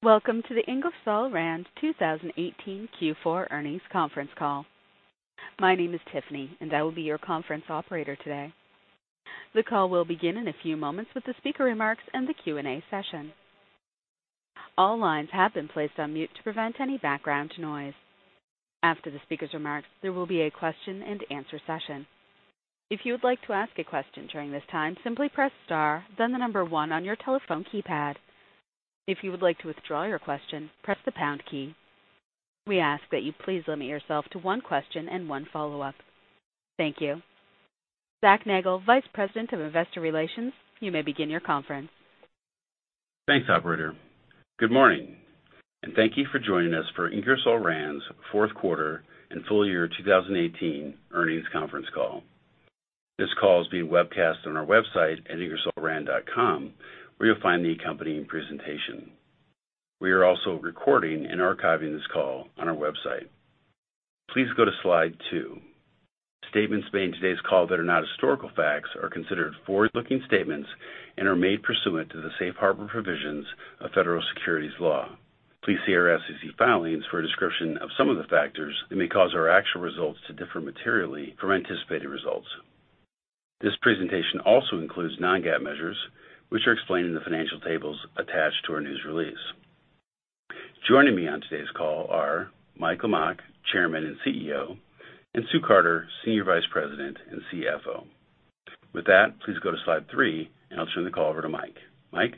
Welcome to the Ingersoll Rand 2018 Q4 Earnings Conference Call. My name is Tiffany, and I will be your conference operator today. The call will begin in a few moments with the speaker remarks and the Q&A session. All lines have been placed on mute to prevent any background noise. After the speakers' remarks, there will be a question-and-answer session. If you would like to ask a question during this time, simply press star, then one on your telephone keypad. If you would like to withdraw your question, press the pound key. We ask that you please limit yourself to one question and one follow-up. Thank you. Zac Nagle, Vice President of Investor Relations, you may begin your conference. Thanks, operator. Good morning, and thank you for joining us for Ingersoll Rand's fourth quarter and full year 2018 earnings conference call. This call is being webcast on our website at ingersollrand.com, where you'll find the accompanying presentation. We are also recording and archiving this call on our website. Please go to Slide two. Statements made in today's call that are not historical facts are considered forward-looking statements and are made pursuant to the safe harbor provisions of Federal Securities Law. Please see our SEC filings for a description of some of the factors that may cause our actual results to differ materially from anticipated results. This presentation also includes non-GAAP measures, which are explained in the financial tables attached to our news release. Joining me on today's call are Mike Lamach, Chairman and CEO, and Sue Carter, Senior Vice President and CFO. With that, please go to Slide three and I'll turn the call over to Mike. Mike?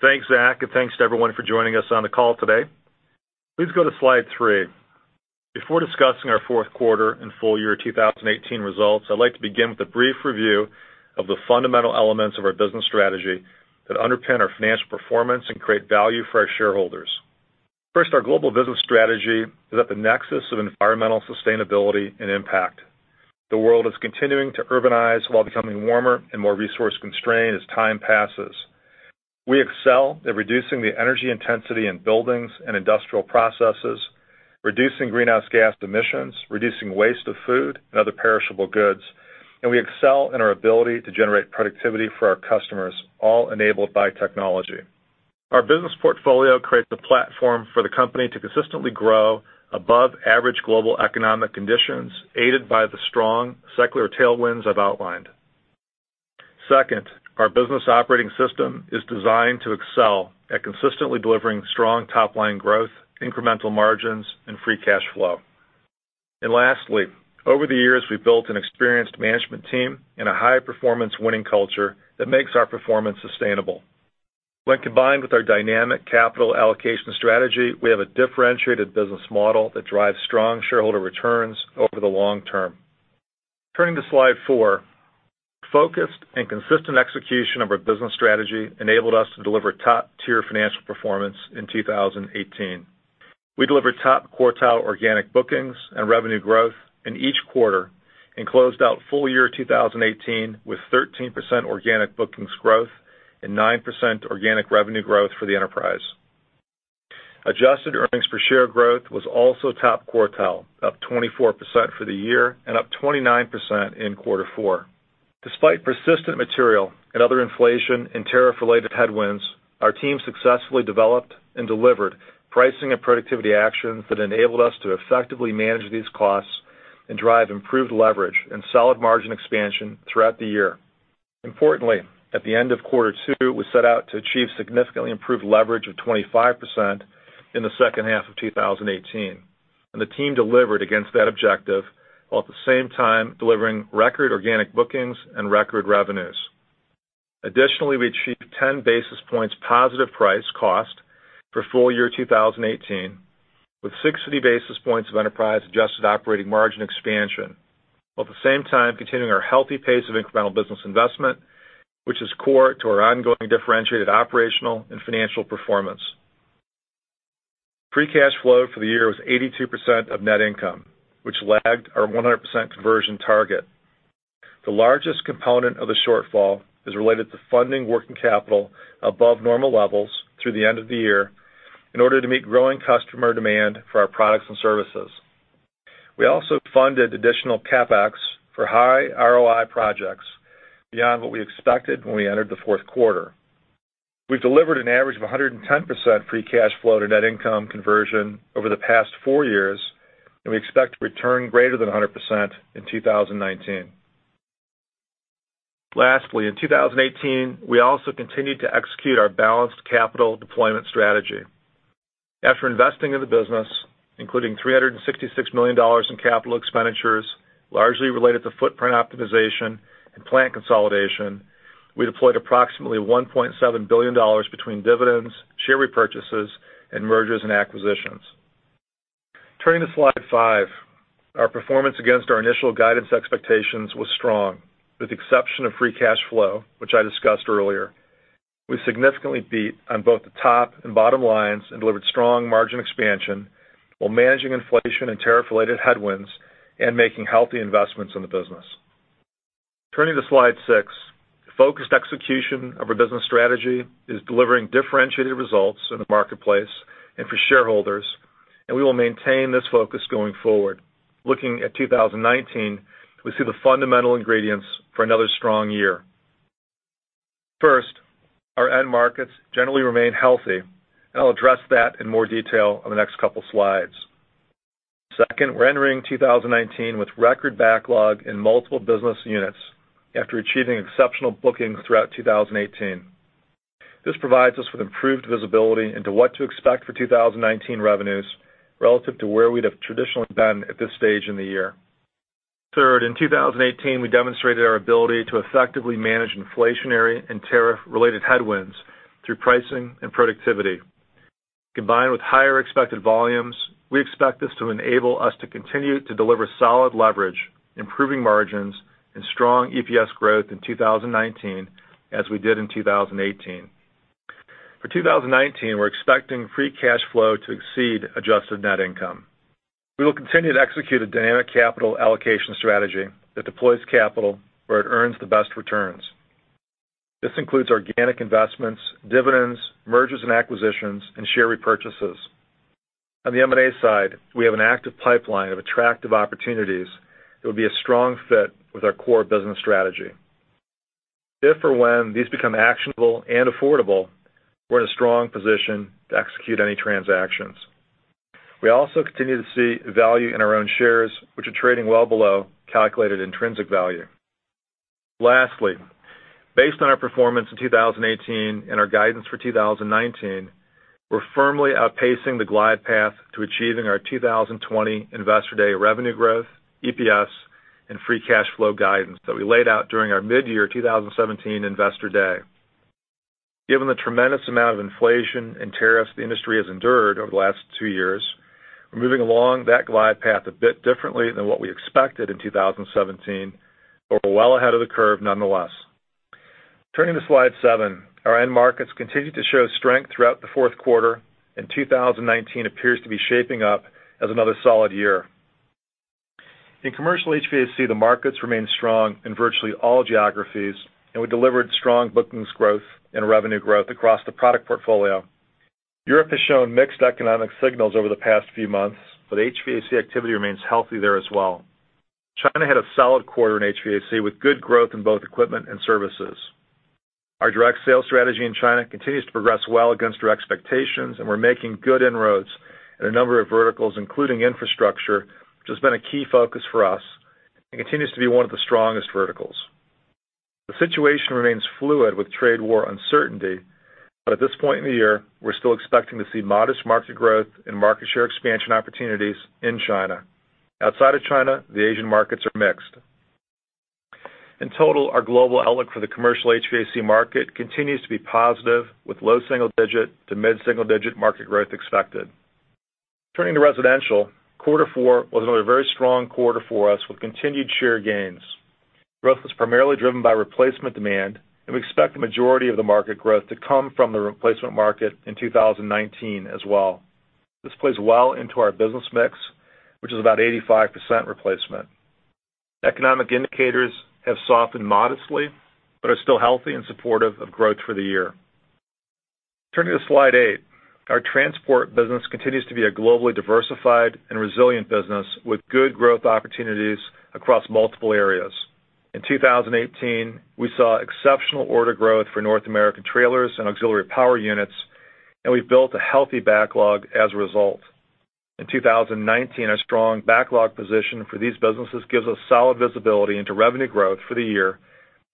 Thanks, Zac, and thanks to everyone for joining us on the call today. Please go to Slide three. Before discussing our fourth quarter and full year 2018 results, I'd like to begin with a brief review of the fundamental elements of our business strategy that underpin our financial performance and create value for our shareholders. First, our global business strategy is at the nexus of environmental sustainability and impact. The world is continuing to urbanize while becoming warmer and more resource-constrained as time passes. We excel at reducing the energy intensity in buildings and industrial processes, reducing greenhouse gas emissions, reducing waste of food and other perishable goods, and we excel in our ability to generate productivity for our customers, all enabled by technology. Our business portfolio creates a platform for the company to consistently grow above average global economic conditions, aided by the strong secular tailwinds I've outlined. Second, our business operating system is designed to excel at consistently delivering strong top-line growth, incremental margins, and free cash flow. Lastly, over the years, we've built an experienced management team and a high-performance winning culture that makes our performance sustainable. When combined with our dynamic capital allocation strategy, we have a differentiated business model that drives strong shareholder returns over the long term. Turning to Slide four. Focused and consistent execution of our business strategy enabled us to deliver top-tier financial performance in 2018. We delivered top-quartile organic bookings and revenue growth in each quarter and closed out full year 2018 with 13% organic bookings growth and 9% organic revenue growth for the enterprise. Adjusted earnings per share growth was also top quartile, up 24% for the year and up 29% in quarter four. Despite persistent material and other inflation and tariff-related headwinds, our team successfully developed and delivered pricing and productivity actions that enabled us to effectively manage these costs and drive improved leverage and solid margin expansion throughout the year. Importantly, at the end of quarter two, we set out to achieve significantly improved leverage of 25% in the second half of 2018. The team delivered against that objective, while at the same time delivering record organic bookings and record revenues. Additionally, we achieved 10 basis points positive price cost for full year 2018, with 60 basis points of enterprise adjusted operating margin expansion. While at the same time continuing our healthy pace of incremental business investment, which is core to our ongoing differentiated operational and financial performance. Free cash flow for the year was 82% of net income, which lagged our 100% conversion target. The largest component of the shortfall is related to funding working capital above normal levels through the end of the year in order to meet growing customer demand for our products and services. We also funded additional CapEx for high ROI projects beyond what we expected when we entered the fourth quarter. We've delivered an average of 110% free cash flow to net income conversion over the past four years, and we expect to return greater than 100% in 2019. Lastly, in 2018, we also continued to execute our balanced capital deployment strategy. After investing in the business, including $366 million in capital expenditures, largely related to footprint optimization and plant consolidation, we deployed approximately $1.7 billion between dividends, share repurchases, and mergers and acquisitions. Turning to Slide five. Our performance against our initial guidance expectations was strong, with exception of free cash flow, which I discussed earlier. We significantly beat on both the top and bottom lines and delivered strong margin expansion while managing inflation and tariff-related headwinds and making healthy investments in the business. Turning to Slide six. Focused execution of our business strategy is delivering differentiated results in the marketplace and for shareholders. We will maintain this focus going forward. Looking at 2019, we see the fundamental ingredients for another strong year. First, our end markets generally remain healthy, and I'll address that in more detail on the next couple slides. Second, we're entering 2019 with record backlog in multiple business units after achieving exceptional bookings throughout 2018. This provides us with improved visibility into what to expect for 2019 revenues relative to where we'd have traditionally been at this stage in the year. Third, in 2018, we demonstrated our ability to effectively manage inflationary and tariff-related headwinds through pricing and productivity. Combined with higher expected volumes, we expect this to enable us to continue to deliver solid leverage, improving margins and strong EPS growth in 2019 as we did in 2018. For 2019, we're expecting free cash flow to exceed adjusted net income. We will continue to execute a dynamic capital allocation strategy that deploys capital where it earns the best returns. This includes organic investments, dividends, mergers and acquisitions, and share repurchases. On the M&A side, we have an active pipeline of attractive opportunities that would be a strong fit with our core business strategy. If or when these become actionable and affordable, we're in a strong position to execute any transactions. We also continue to see value in our own shares, which are trading well below calculated intrinsic value. Lastly, based on our performance in 2018 and our guidance for 2019, we're firmly outpacing the glide path to achieving our 2020 Investor Day revenue growth, EPS, and free cash flow guidance that we laid out during our mid-year 2017 Investor Day. Given the tremendous amount of inflation and tariffs the industry has endured over the last two years, we're moving along that glide path a bit differently than what we expected in 2017, but we're well ahead of the curve nonetheless. Turning to slide seven. Our end markets continued to show strength throughout the fourth quarter, and 2019 appears to be shaping up as another solid year. In commercial HVAC, the markets remained strong in virtually all geographies, and we delivered strong bookings growth and revenue growth across the product portfolio. Europe has shown mixed economic signals over the past few months, but HVAC activity remains healthy there as well. China had a solid quarter in HVAC, with good growth in both equipment and services. Our direct sales strategy in China continues to progress well against our expectations, and we're making good inroads in a number of verticals, including infrastructure, which has been a key focus for us and continues to be one of the strongest verticals. The situation remains fluid with trade war uncertainty, but at this point in the year, we're still expecting to see modest market growth and market share expansion opportunities in China. Outside of China, the Asian markets are mixed. In total, our global outlook for the commercial HVAC market continues to be positive, with low double digit to mid single digit market growth expected. Turning to residential. Quarter four was another very strong quarter for us with continued share gains. Growth was primarily driven by replacement demand, and we expect the majority of the market growth to come from the replacement market in 2019 as well. This plays well into our business mix, which is about 85% replacement. Economic indicators have softened modestly but are still healthy and supportive of growth for the year. Turning to slide eight. Our transport business continues to be a globally diversified and resilient business with good growth opportunities across multiple areas. In 2018, we saw exceptional order growth for North American trailers and auxiliary power units, and we've built a healthy backlog as a result. In 2019, our strong backlog position for these businesses gives us solid visibility into revenue growth for the year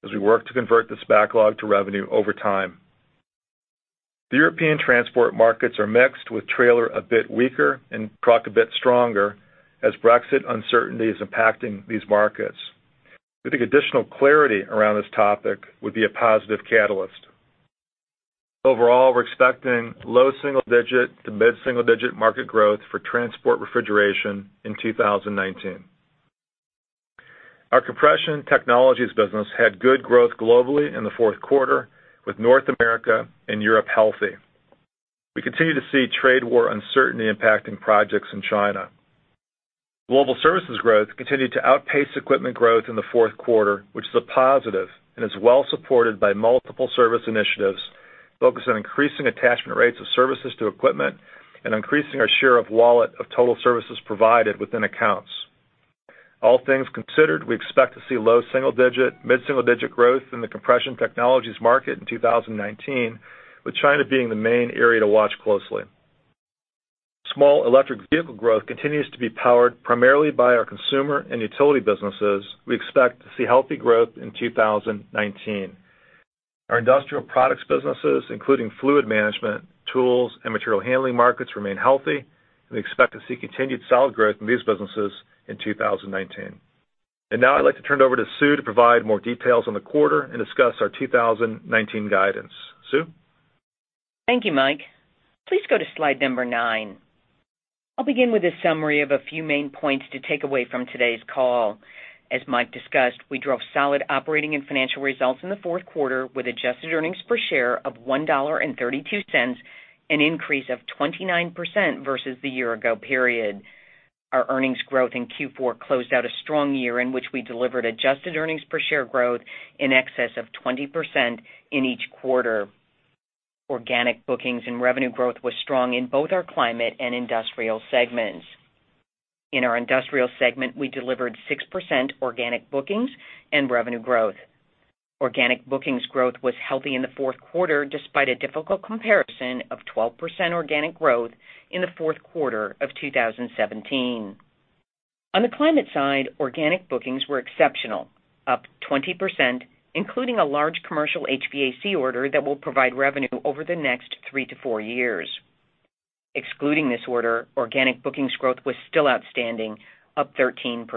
as we work to convert this backlog to revenue over time. The European transport markets are mixed, with trailer a bit weaker and truck a bit stronger as Brexit uncertainty is impacting these markets. We think additional clarity around this topic would be a positive catalyst. Overall, we're expecting low single digit to mid single digit market growth for transport refrigeration in 2019. Our Compression Technologies business had good growth globally in the fourth quarter, with North America and Europe healthy. We continue to see trade war uncertainty impacting projects in China. Global services growth continued to outpace equipment growth in the fourth quarter, which is a positive and is well supported by multiple service initiatives focused on increasing attachment rates of services to equipment and increasing our share of wallet of total services provided within accounts. All things considered, we expect to see low single digit, mid single digit growth in the Compression Technologies market in 2019, with China being the main area to watch closely. Small electric vehicle growth continues to be powered primarily by our consumer and utility businesses. We expect to see healthy growth in 2019. Our industrial products businesses, including fluid management, tools, and material handling markets, remain healthy, and we expect to see continued solid growth in these businesses in 2019. Now I'd like to turn it over to Sue to provide more details on the quarter and discuss our 2019 guidance. Sue? Thank you, Mike. Please go to slide number nine. I'll begin with a summary of a few main points to take away from today's call. As Mike discussed, we drove solid operating and financial results in the fourth quarter with adjusted earnings per share of $1.32, an increase of 29% versus the year ago period. Our earnings growth in Q4 closed out a strong year in which we delivered adjusted earnings per share growth in excess of 20% in each quarter. Organic bookings and revenue growth was strong in both our climate and industrial segments. In our industrial segment, we delivered 6% organic bookings and revenue growth. Organic bookings growth was healthy in the fourth quarter, despite a difficult comparison of 12% organic growth in the fourth quarter of 2017. On the climate side, organic bookings were exceptional, up 20%, including a large commercial HVAC order that will provide revenue over the next three to four years. Excluding this order, organic bookings growth was still outstanding, up 13%.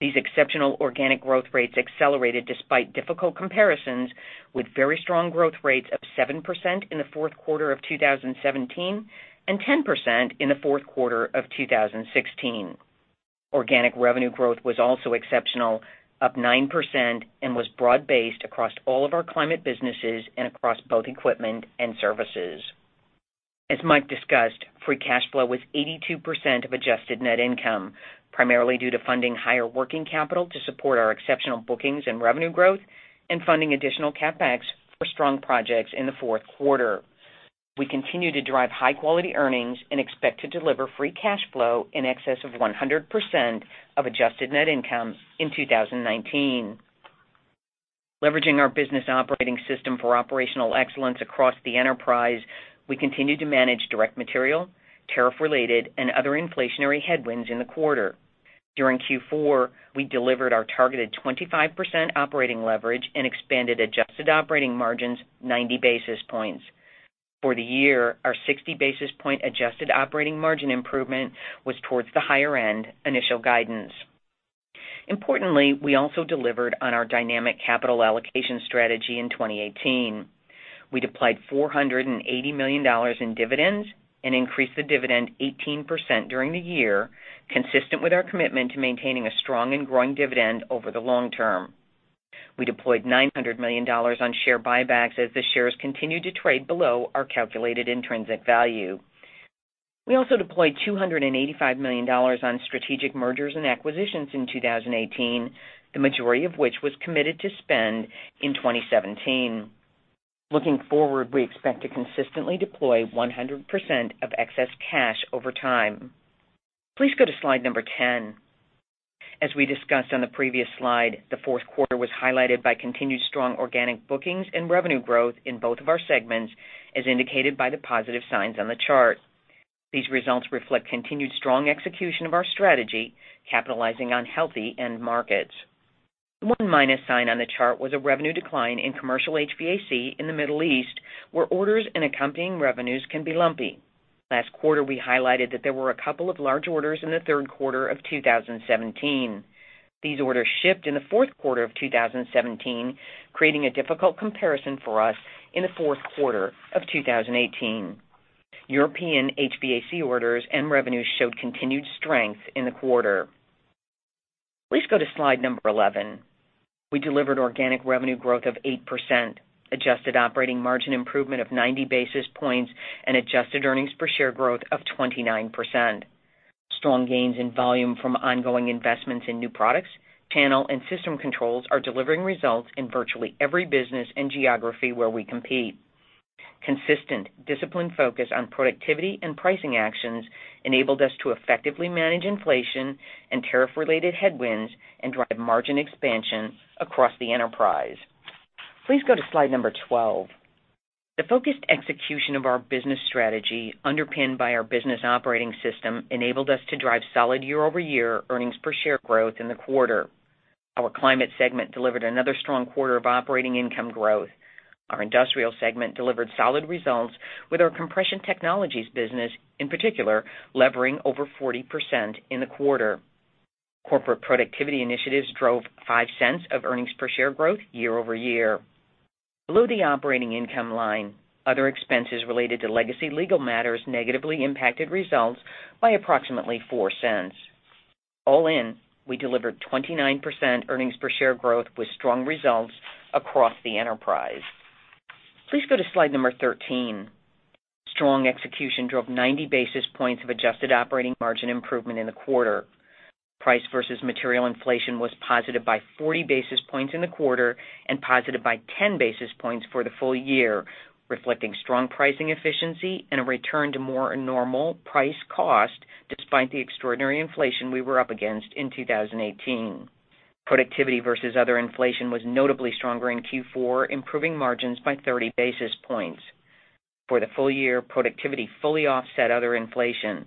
These exceptional organic growth rates accelerated despite difficult comparisons with very strong growth rates of 7% in the fourth quarter of 2017 and 10% in the fourth quarter of 2016. Organic revenue growth was also exceptional, up 9%, and was broad-based across all of our climate businesses and across both equipment and services. As Mike discussed, free cash flow was 82% of adjusted net income, primarily due to funding higher working capital to support our exceptional bookings and revenue growth and funding additional CapEx for strong projects in the fourth quarter. We continue to drive high-quality earnings and expect to deliver free cash flow in excess of 100% of adjusted net income in 2019. Leveraging our business operating system for operational excellence across the enterprise, we continued to manage direct material, tariff-related, and other inflationary headwinds in the quarter. During Q4, we delivered our targeted 25% operating leverage and expanded adjusted operating margins 90 basis points. For the year, our 60 basis point adjusted operating margin improvement was towards the higher end initial guidance. Importantly, we also delivered on our dynamic capital allocation strategy in 2018. We deployed $480 million in dividends and increased the dividend 18% during the year, consistent with our commitment to maintaining a strong and growing dividend over the long term. We deployed $900 million on share buybacks as the shares continued to trade below our calculated intrinsic value. We also deployed $285 million on strategic mergers and acquisitions in 2018, the majority of which was committed to spend in 2017. Looking forward, we expect to consistently deploy 100% of excess cash over time. Please go to slide number 10. As we discussed on the previous slide, the fourth quarter was highlighted by continued strong organic bookings and revenue growth in both of our segments, as indicated by the positive signs on the chart. The one minus sign on the chart was a revenue decline in commercial HVAC in the Middle East, where orders and accompanying revenues can be lumpy. Last quarter, we highlighted that there were a couple of large orders in the third quarter of 2017. These orders shipped in the fourth quarter of 2017, creating a difficult comparison for us in the fourth quarter of 2018. European HVAC orders and revenues showed continued strength in the quarter. Please go to slide number 11. We delivered organic revenue growth of 8%, adjusted operating margin improvement of 90 basis points, and adjusted earnings per share growth of 29%. Strong gains in volume from ongoing investments in new products, channel, and system controls are delivering results in virtually every business and geography where we compete. Consistent, disciplined focus on productivity and pricing actions enabled us to effectively manage inflation and tariff-related headwinds and drive margin expansion across the enterprise. Please go to slide number 12. The focused execution of our business strategy, underpinned by our business operating system, enabled us to drive solid year-over-year earnings per share growth in the quarter. Our climate segment delivered another strong quarter of operating income growth. Our industrial segment delivered solid results with our Compression Technologies business, in particular, levering over 40% in the quarter. Corporate productivity initiatives drove $0.05 of earnings per share growth year-over-year. Below the operating income line, other expenses related to legacy legal matters negatively impacted results by approximately $0.04. All in, we delivered 29% earnings per share growth with strong results across the enterprise. Please go to slide number 13. Strong execution drove 90 basis points of adjusted operating margin improvement in the quarter. Price versus material inflation was positive by 40 basis points in the quarter and positive by 10 basis points for the full year, reflecting strong pricing efficiency and a return to more normal price cost despite the extraordinary inflation we were up against in 2018. Productivity versus other inflation was notably stronger in Q4, improving margins by 30 basis points. For the full year, productivity fully offset other inflation.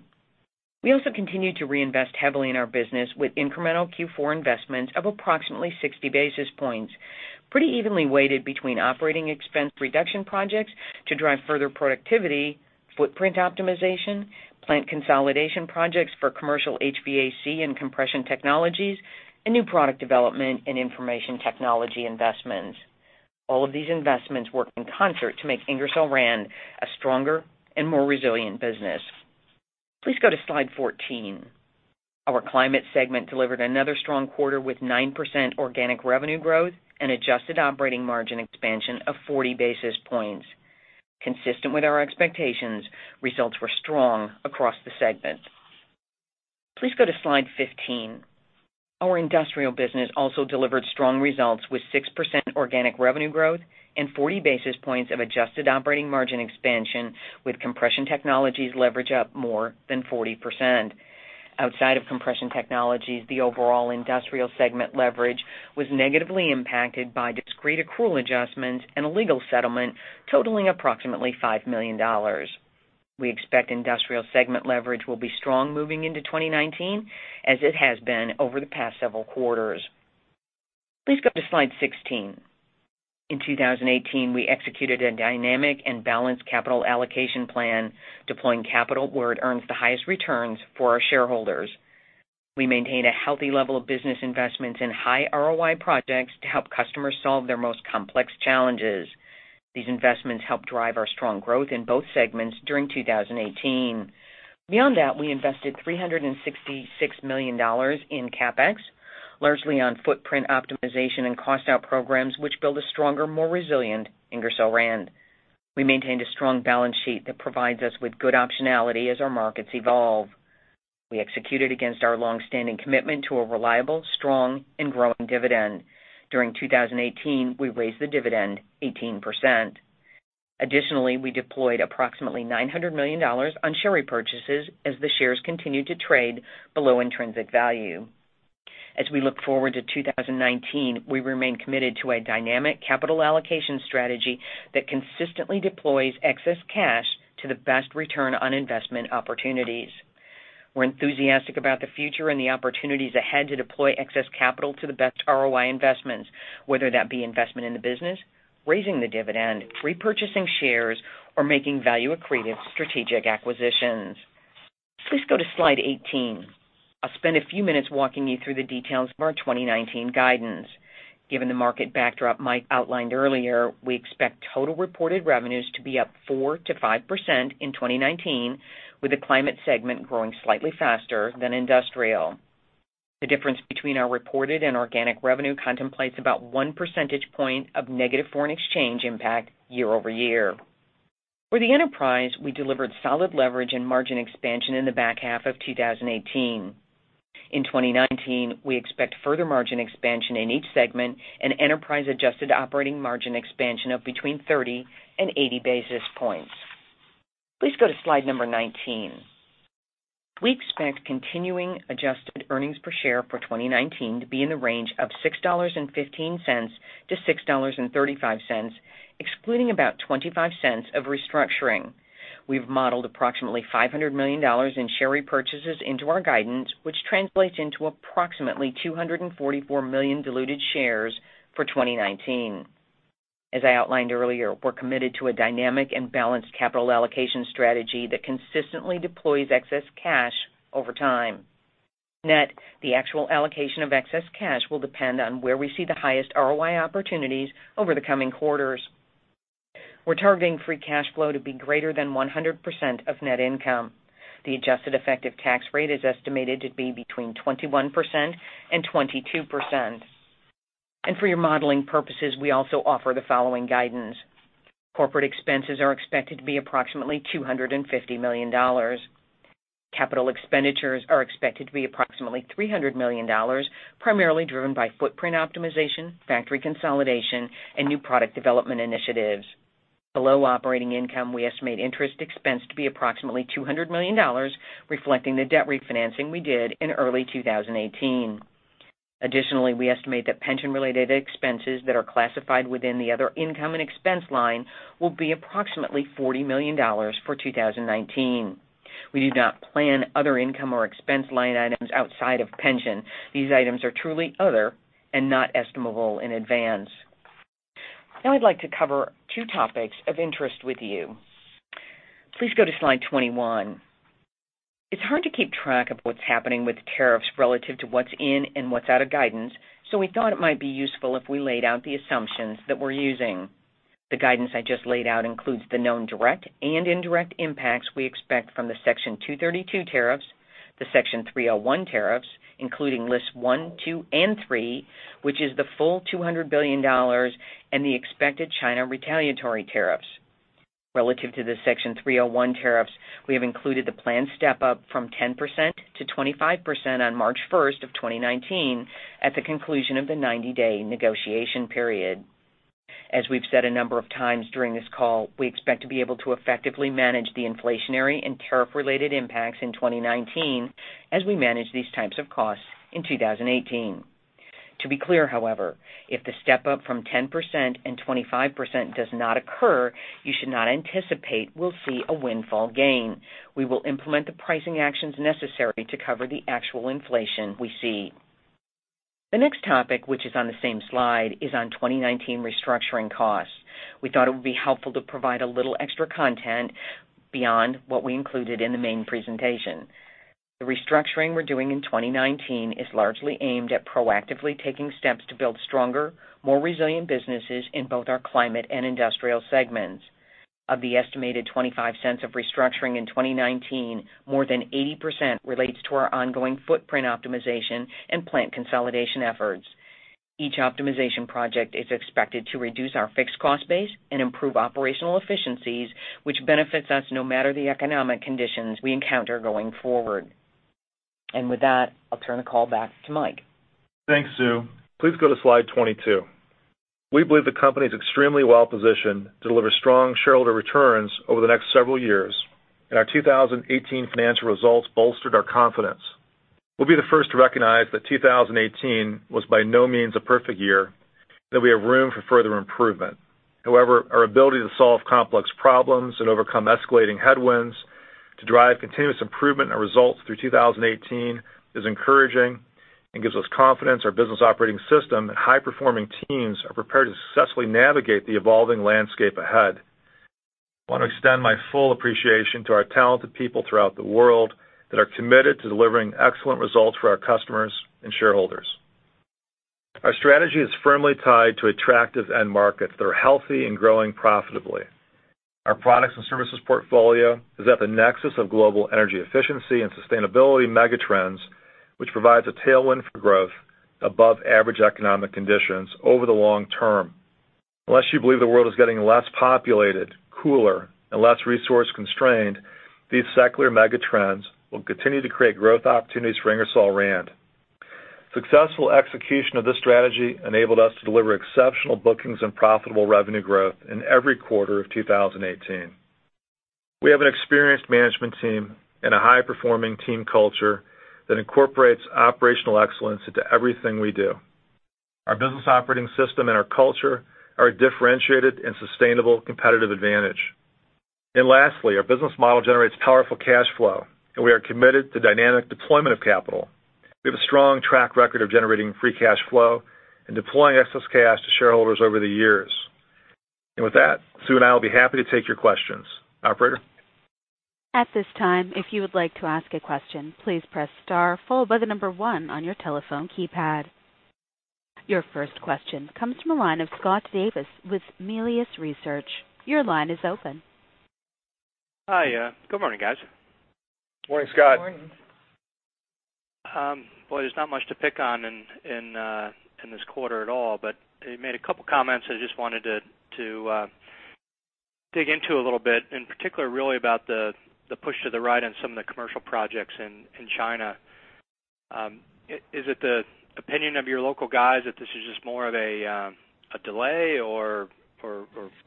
We also continued to reinvest heavily in our business with incremental Q4 investments of approximately 60 basis points, pretty evenly weighted between operating expense reduction projects to drive further productivity, footprint optimization, plant consolidation projects for commercial HVAC and Compression Technologies, and new product development and information technology investments. All of these investments work in concert to make Ingersoll Rand a stronger and more resilient business. Please go to slide 14. Our climate segment delivered another strong quarter with 9% organic revenue growth and adjusted operating margin expansion of 40 basis points. Consistent with our expectations, results were strong across the segment. Please go to slide 15. Our industrial business also delivered strong results with 6% organic revenue growth and 40 basis points of adjusted operating margin expansion with Compression Technologies leverage up more than 40%. Outside of Compression Technologies, the overall industrial segment leverage was negatively impacted by discrete accrual adjustments and a legal settlement totaling approximately $5 million. We expect industrial segment leverage will be strong moving into 2019, as it has been over the past several quarters. Please go to slide 16. In 2018, we executed a dynamic and balanced capital allocation plan, deploying capital where it earns the highest returns for our shareholders. We maintained a healthy level of business investments in high ROI projects to help customers solve their most complex challenges. These investments helped drive our strong growth in both segments during 2018. Beyond that, we invested $366 million in CapEx, largely on footprint optimization and cost out programs, which build a stronger, more resilient Ingersoll Rand. We maintained a strong balance sheet that provides us with good optionality as our markets evolve. We executed against our longstanding commitment to a reliable, strong and growing dividend. During 2018, we raised the dividend 18%. Additionally, we deployed approximately $900 million on share repurchases as the shares continued to trade below intrinsic value. As we look forward to 2019, we remain committed to a dynamic capital allocation strategy that consistently deploys excess cash to the best return on investment opportunities. We're enthusiastic about the future and the opportunities ahead to deploy excess capital to the best ROI investments, whether that be investment in the business, raising the dividend, repurchasing shares, or making value-accretive strategic acquisitions. Please go to slide 18. I'll spend a few minutes walking you through the details of our 2019 guidance. Given the market backdrop Mike outlined earlier, we expect total reported revenues to be up 4% to 5% in 2019, with the climate segment growing slightly faster than industrial. The difference between our reported and organic revenue contemplates about one percentage point of negative foreign exchange impact year-over-year. For the enterprise, we delivered solid leverage and margin expansion in the back half of 2018. In 2019, we expect further margin expansion in each segment and enterprise adjusted operating margin expansion of between 30 and 80 basis points. Please go to slide 19. We expect continuing adjusted EPS for 2019 to be in the range of $6.15 to $6.35, excluding about $0.25 of restructuring. We've modeled approximately $500 million in share repurchases into our guidance, which translates into approximately 244 million diluted shares for 2019. As I outlined earlier, we're committed to a dynamic and balanced capital allocation strategy that consistently deploys excess cash over time. Net, the actual allocation of excess cash will depend on where we see the highest ROI opportunities over the coming quarters. We're targeting free cash flow to be greater than 100% of net income. The adjusted effective tax rate is estimated to be between 21%-22%. For your modeling purposes, we also offer the following guidance. Corporate expenses are expected to be approximately $250 million. Capital expenditures are expected to be approximately $300 million, primarily driven by footprint optimization, factory consolidation, and new product development initiatives. Below operating income, we estimate interest expense to be approximately $200 million, reflecting the debt refinancing we did in early 2018. Additionally, we estimate that pension-related expenses that are classified within the other income and expense line will be approximately $40 million for 2019. We do not plan other income or expense line items outside of pension. These items are truly other and not estimable in advance. Now I'd like to cover two topics of interest with you. Please go to slide 21. It's hard to keep track of what's happening with tariffs relative to what's in and what's out of guidance, so we thought it might be useful if we laid out the assumptions that we're using. The guidance I just laid out includes the known direct and indirect impacts we expect from the Section 232 tariffs, the Section 301 tariffs, including lists one, two and three, which is the full $200 billion, and the expected China retaliatory tariffs. Relative to the Section 301 tariffs, we have included the planned step up from 10%-25% on March 1st of 2019 at the conclusion of the 90-day negotiation period. As we've said a number of times during this call, we expect to be able to effectively manage the inflationary and tariff-related impacts in 2019 as we manage these types of costs in 2018. To be clear, however, if the step up from 10% and 25% does not occur, you should not anticipate we'll see a windfall gain. We will implement the pricing actions necessary to cover the actual inflation we see. The next topic, which is on the same slide, is on 2019 restructuring costs. We thought it would be helpful to provide a little extra content beyond what we included in the main presentation. The restructuring we're doing in 2019 is largely aimed at proactively taking steps to build stronger, more resilient businesses in both our climate and industrial segments. Of the estimated $0.25 of restructuring in 2019, more than 80% relates to our ongoing footprint optimization and plant consolidation efforts. Each optimization project is expected to reduce our fixed cost base and improve operational efficiencies, which benefits us no matter the economic conditions we encounter going forward. With that, I'll turn the call back to Mike. Thanks, Sue. Please go to slide 22. We believe the company is extremely well-positioned to deliver strong shareholder returns over the next several years. Our 2018 financial results bolstered our confidence. We'll be the first to recognize that 2018 was by no means a perfect year, that we have room for further improvement. However, our ability to solve complex problems and overcome escalating headwinds to drive continuous improvement in our results through 2018 is encouraging and gives us confidence our business operating system and high-performing teams are prepared to successfully navigate the evolving landscape ahead. I want to extend my full appreciation to our talented people throughout the world that are committed to delivering excellent results for our customers and shareholders. Our strategy is firmly tied to attractive end markets that are healthy and growing profitably. Our products and services portfolio is at the nexus of global energy efficiency and sustainability mega trends, which provides a tailwind for growth above average economic conditions over the long term. Unless you believe the world is getting less populated, cooler, and less resource-constrained, these secular mega trends will continue to create growth opportunities for Ingersoll Rand. Successful execution of this strategy enabled us to deliver exceptional bookings and profitable revenue growth in every quarter of 2018. We have an experienced management team and a high-performing team culture that incorporates operational excellence into everything we do. Our business operating system and our culture are a differentiated and sustainable competitive advantage. Lastly, our business model generates powerful cash flow, and we are committed to dynamic deployment of capital. We have a strong track record of generating free cash flow and deploying excess cash to shareholders over the years. With that, Sue and I will be happy to take your questions. Operator? At this time, if you would like to ask a question, please press star followed by one on your telephone keypad. Your first question comes from the line of Scott Davis with Melius Research. Your line is open. Hi. Good morning, guys. Morning, Scott. Morning. Boy, there's not much to pick on in this quarter at all, you made a couple comments I just wanted to dig into a little bit, in particular really about the push to the right on some of the commercial projects in China. Is it the opinion of your local guys that this is just more of a delay or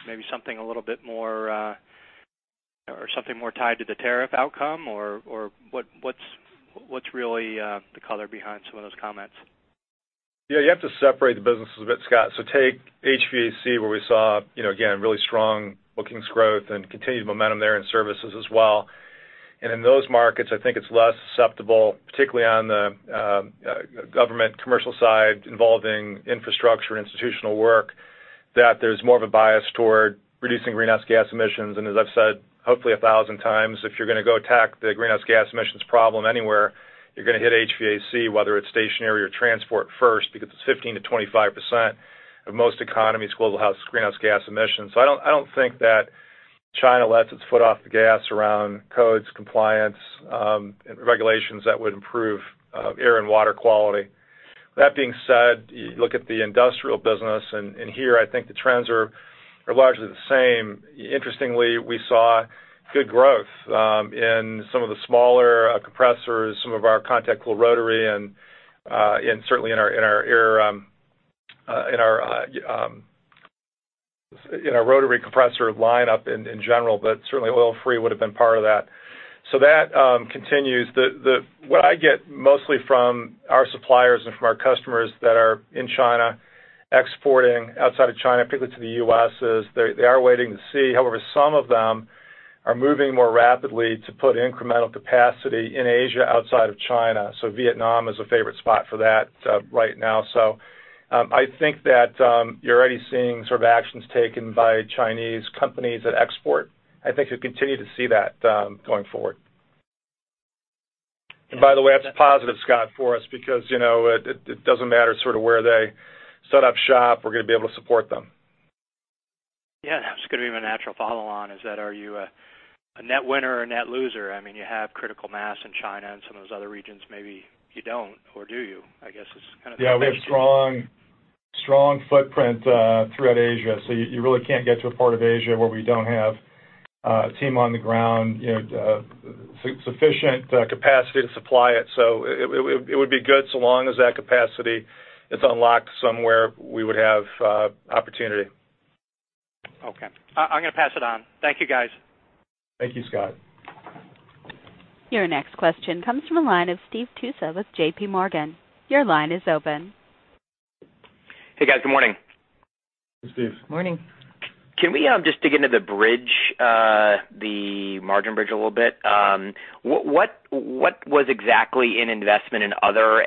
maybe something a little bit more tied to the tariff outcome? Or what's really the color behind some of those comments? You have to separate the businesses a bit, Scott. Take HVAC, where we saw, again, really strong bookings growth and continued momentum there in services as well. In those markets, I think it's less susceptible, particularly on the government commercial side involving infrastructure, institutional work, that there's more of a bias toward reducing greenhouse gas emissions. As I've said, hopefully a thousand times, if you're going to go attack the greenhouse gas emissions problem anywhere, you're going to hit HVAC, whether it's stationary or transport first, because it's 15%-25% of most economies' global greenhouse gas emissions. I don't think that China lets its foot off the gas around codes, compliance, and regulations that would improve air and water quality. That being said, you look at the industrial business, here, I think the trends are largely the same. Interestingly, we saw good growth in some of the smaller compressors, some of our contact-cooled rotary, and certainly in our rotary compressor lineup in general, but certainly oil-free would have been part of that. That continues. What I get mostly from our suppliers and from our customers that are in China exporting outside of China, particularly to the U.S., is they are waiting to see. However, some of them are moving more rapidly to put incremental capacity in Asia outside of China. Vietnam is a favorite spot for that right now. I think that you're already seeing sort of actions taken by Chinese companies that export. I think you'll continue to see that going forward. By the way, that's positive, Scott, for us, because it doesn't matter sort of where they set up shop, we're going to be able to support them. Yeah. That's going to be my natural follow-on, is that are you a net winner or a net loser? You have critical mass in China, and some of those other regions, maybe you don't, or do you? Yeah, we have strong footprint throughout Asia. You really can't get to a part of Asia where we don't have a team on the ground, sufficient capacity to supply it. It would be good so long as that capacity is unlocked somewhere we would have opportunity. Okay. I'm going to pass it on. Thank you, guys. Thank you, Scott. Your next question comes from the line of Steve Tusa with J.P. Morgan. Your line is open. Hey, guys. Good morning. Hey, Steve. Morning. Can we just dig into the bridge, the margin bridge a little bit? What was exactly in investment and other?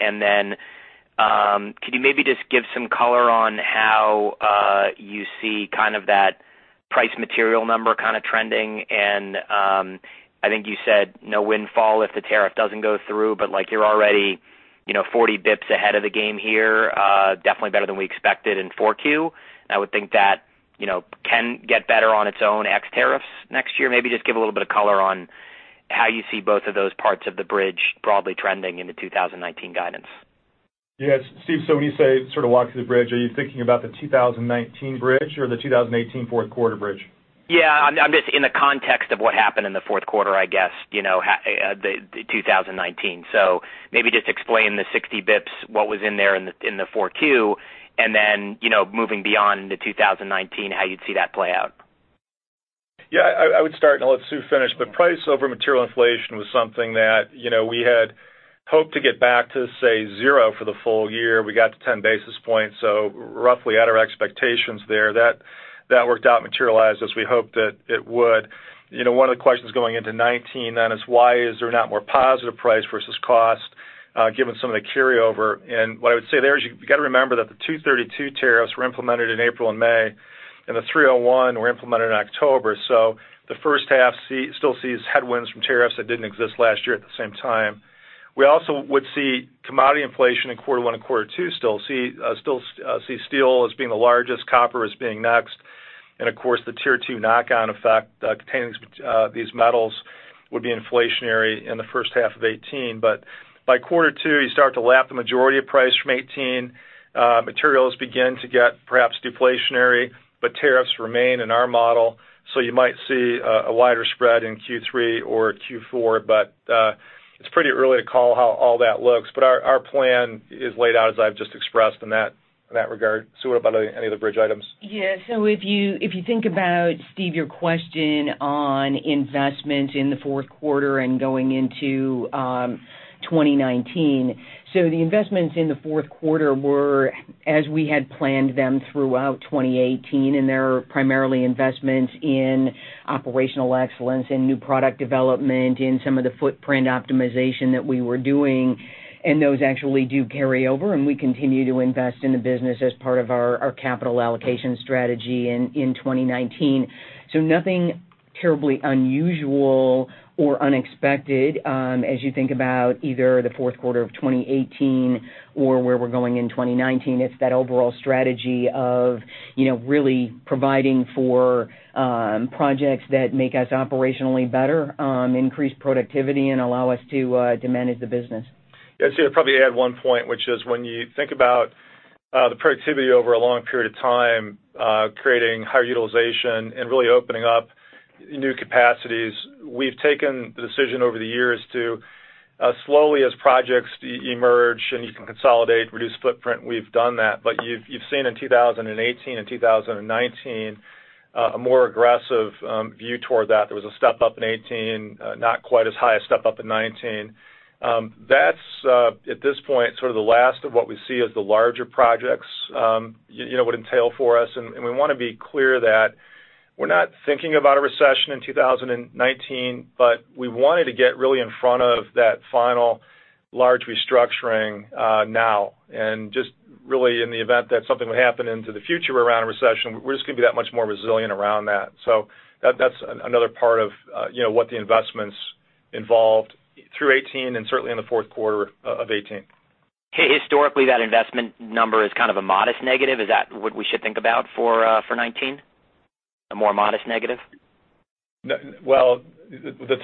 Could you maybe just give some color on how you see kind of that price material number kind of trending? I think you said no windfall if the tariff doesn't go through, but like you're already 40 basis points ahead of the game here, definitely better than we expected in Q4. I would think that can get better on its own ex tariffs next year. Maybe just give a little bit of color on how you see both of those parts of the bridge broadly trending into 2019 guidance. Yes, Steve, when you say walk through the bridge, are you thinking about the 2019 bridge or the 2018 fourth quarter bridge? Yeah, I'm just in the context of what happened in the fourth quarter, I guess, 2019. Maybe just explain the 60 basis points, what was in there in the Q4, and then, moving beyond to 2019, how you'd see that play out. Yeah, I would start and I'll let Sue finish. Price over material inflation was something that we had hoped to get back to, say, zero for the full year. We got to 10 basis points, roughly at our expectations there. That worked out, materialized as we hoped that it would. One of the questions going into 2019 then is why is there not more positive price versus cost, given some of the carryover? What I would say there is you got to remember that the Section 232 tariffs were implemented in April and May, and the Section 301 were implemented in October. The first half still sees headwinds from tariffs that didn't exist last year at the same time. We also would see commodity inflation in quarter one and quarter two still. See steel as being the largest, copper as being next. Of course, the Tier 2 knock-on effect containing these metals would be inflationary in the first half of 2018. By quarter two, you start to lap the majority of price from 2018. Materials begin to get perhaps deflationary, tariffs remain in our model, so you might see a wider spread in Q3 or Q4. It's pretty early to call how all that looks. Our plan is laid out as I've just expressed in that regard. Sue, what about any of the bridge items? Yeah. If you think about, Steve, your question on investment in the fourth quarter and going into 2019, the investments in the fourth quarter were as we had planned them throughout 2018, they're primarily investments in operational excellence, in new product development, in some of the footprint optimization that we were doing. Those actually do carry over, and we continue to invest in the business as part of our capital allocation strategy in 2019. Nothing terribly unusual or unexpected as you think about either the fourth quarter of 2018 or where we're going in 2019. It's that overall strategy of really providing for projects that make us operationally better, increase productivity, and allow us to manage the business. Yeah. Sue, I'd probably add one point, which is when you think about the productivity over a long period of time, creating higher utilization and really opening up new capacities, we've taken the decision over the years to slowly as projects emerge and you can consolidate, reduce footprint, we've done that. You've seen in 2018 and 2019 a more aggressive view toward that. There was a step up in 2018, not quite as high a step up in 2019. That's, at this point, sort of the last of what we see as the larger projects would entail for us, and we want to be clear that we're not thinking about a recession in 2019. We wanted to get really in front of that final large restructuring now. Just really in the event that something would happen into the future around a recession, we're just going to be that much more resilient around that. That's another part of what the investments involved through 2018 and certainly in the fourth quarter of 2018. Historically, that investment number is kind of a modest negative. Is that what we should think about for 2019? A more modest negative? The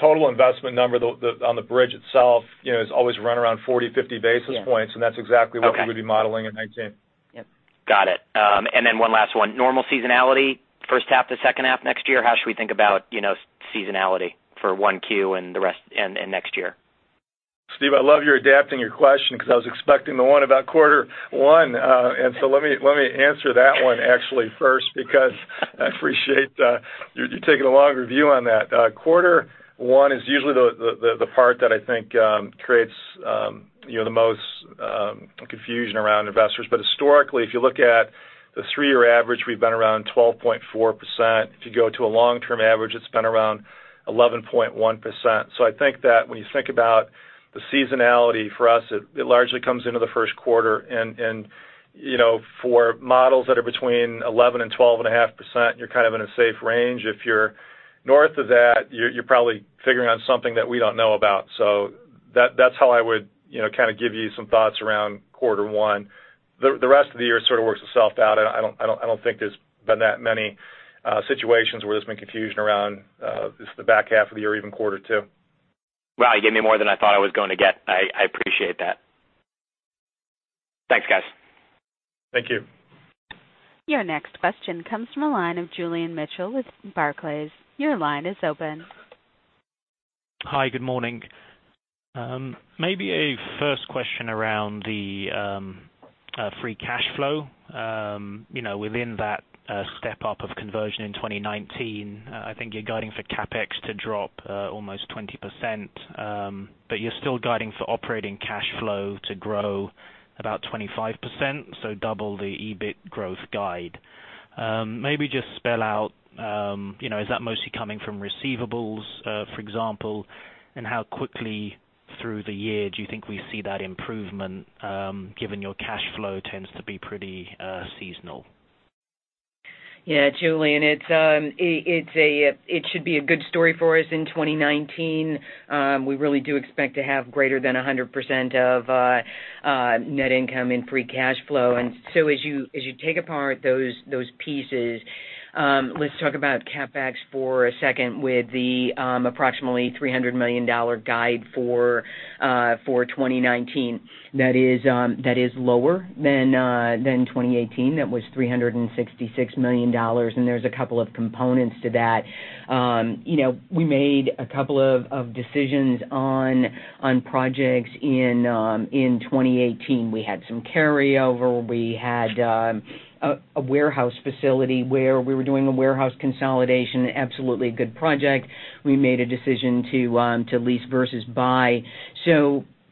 total investment number on the bridge itself is always run around 40, 50 basis points. Yeah. That's exactly what- Okay we would be modeling in 2019. Yep. Got it. One last one. Normal seasonality, first half to second half next year, how should we think about seasonality for 1Q and next year? Steve, I love you're adapting your question because I was expecting the one about quarter one. Let me answer that one actually first, because I appreciate you're taking a longer view on that. Quarter one is usually the part that I think creates the most confusion around investors. Historically, if you look at the three-year average, we've been around 12.4%. If you go to a long-term average, it's been around 11.1%. I think that when you think about the seasonality for us, it largely comes into the first quarter, and for models that are between 11 and 12.5%, you're kind of in a safe range. If you're north of that, you're probably figuring out something that we don't know about. That's how I would kind of give you some thoughts around quarter one. The rest of the year sort of works itself out. I don't think there's been that many situations where there's been confusion around just the back half of the year or even quarter two. Wow, you gave me more than I thought I was going to get. I appreciate that. Thanks, guys. Thank you. Your next question comes from the line of Julian Mitchell with Barclays. Your line is open. Hi, good morning. Maybe a first question around the free cash flow. Within that step up of conversion in 2019, I think you're guiding for CapEx to drop almost 20%, but you're still guiding for operating cash flow to grow about 25%, so double the EBIT growth guide. Maybe just spell out, is that mostly coming from receivables, for example, and how quickly through the year do you think we see that improvement, given your cash flow tends to be pretty seasonal? Yeah, Julian, it should be a good story for us in 2019. We really do expect to have greater than 100% of net income in free cash flow. As you take apart those pieces. Let's talk about CapEx for a second with the approximately $300 million guide for 2019. That is lower than 2018. That was $366 million, and there's a couple of components to that. We made a couple of decisions on projects in 2018. We had some carryover. We had a warehouse facility where we were doing a warehouse consolidation, absolutely a good project. We made a decision to lease versus buy.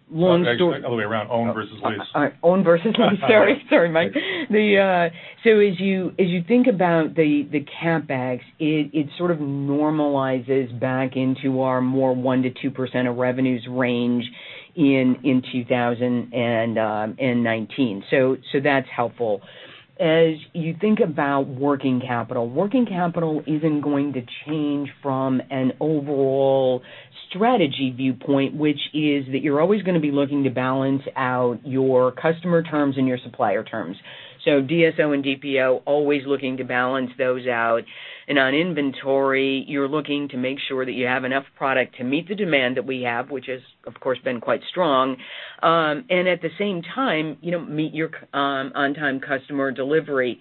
long story- Other way around, own versus lease. Own versus lease. Sorry, Mike. As you think about the CapEx, it sort of normalizes back into our more 1%-2% of revenues range in 2019. That's helpful. As you think about working capital, working capital isn't going to change from an overall strategy viewpoint, which is that you're always going to be looking to balance out your customer terms and your supplier terms. DSO and DPO, always looking to balance those out. On inventory, you're looking to make sure that you have enough product to meet the demand that we have, which has, of course, been quite strong. At the same time, meet your on-time customer delivery.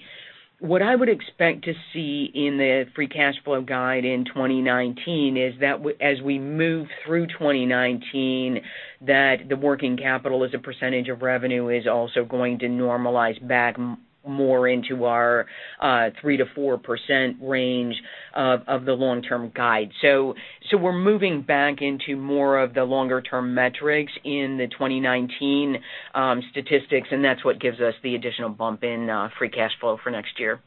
What I would expect to see in the free cash flow guide in 2019 is that as we move through 2019, that the working capital as a percentage of revenue is also going to normalize back more into our 3%-4% range of the long-term guide. We're moving back into more of the longer-term metrics in the 2019 statistics, that's what gives us the additional bump in free cash flow for next year.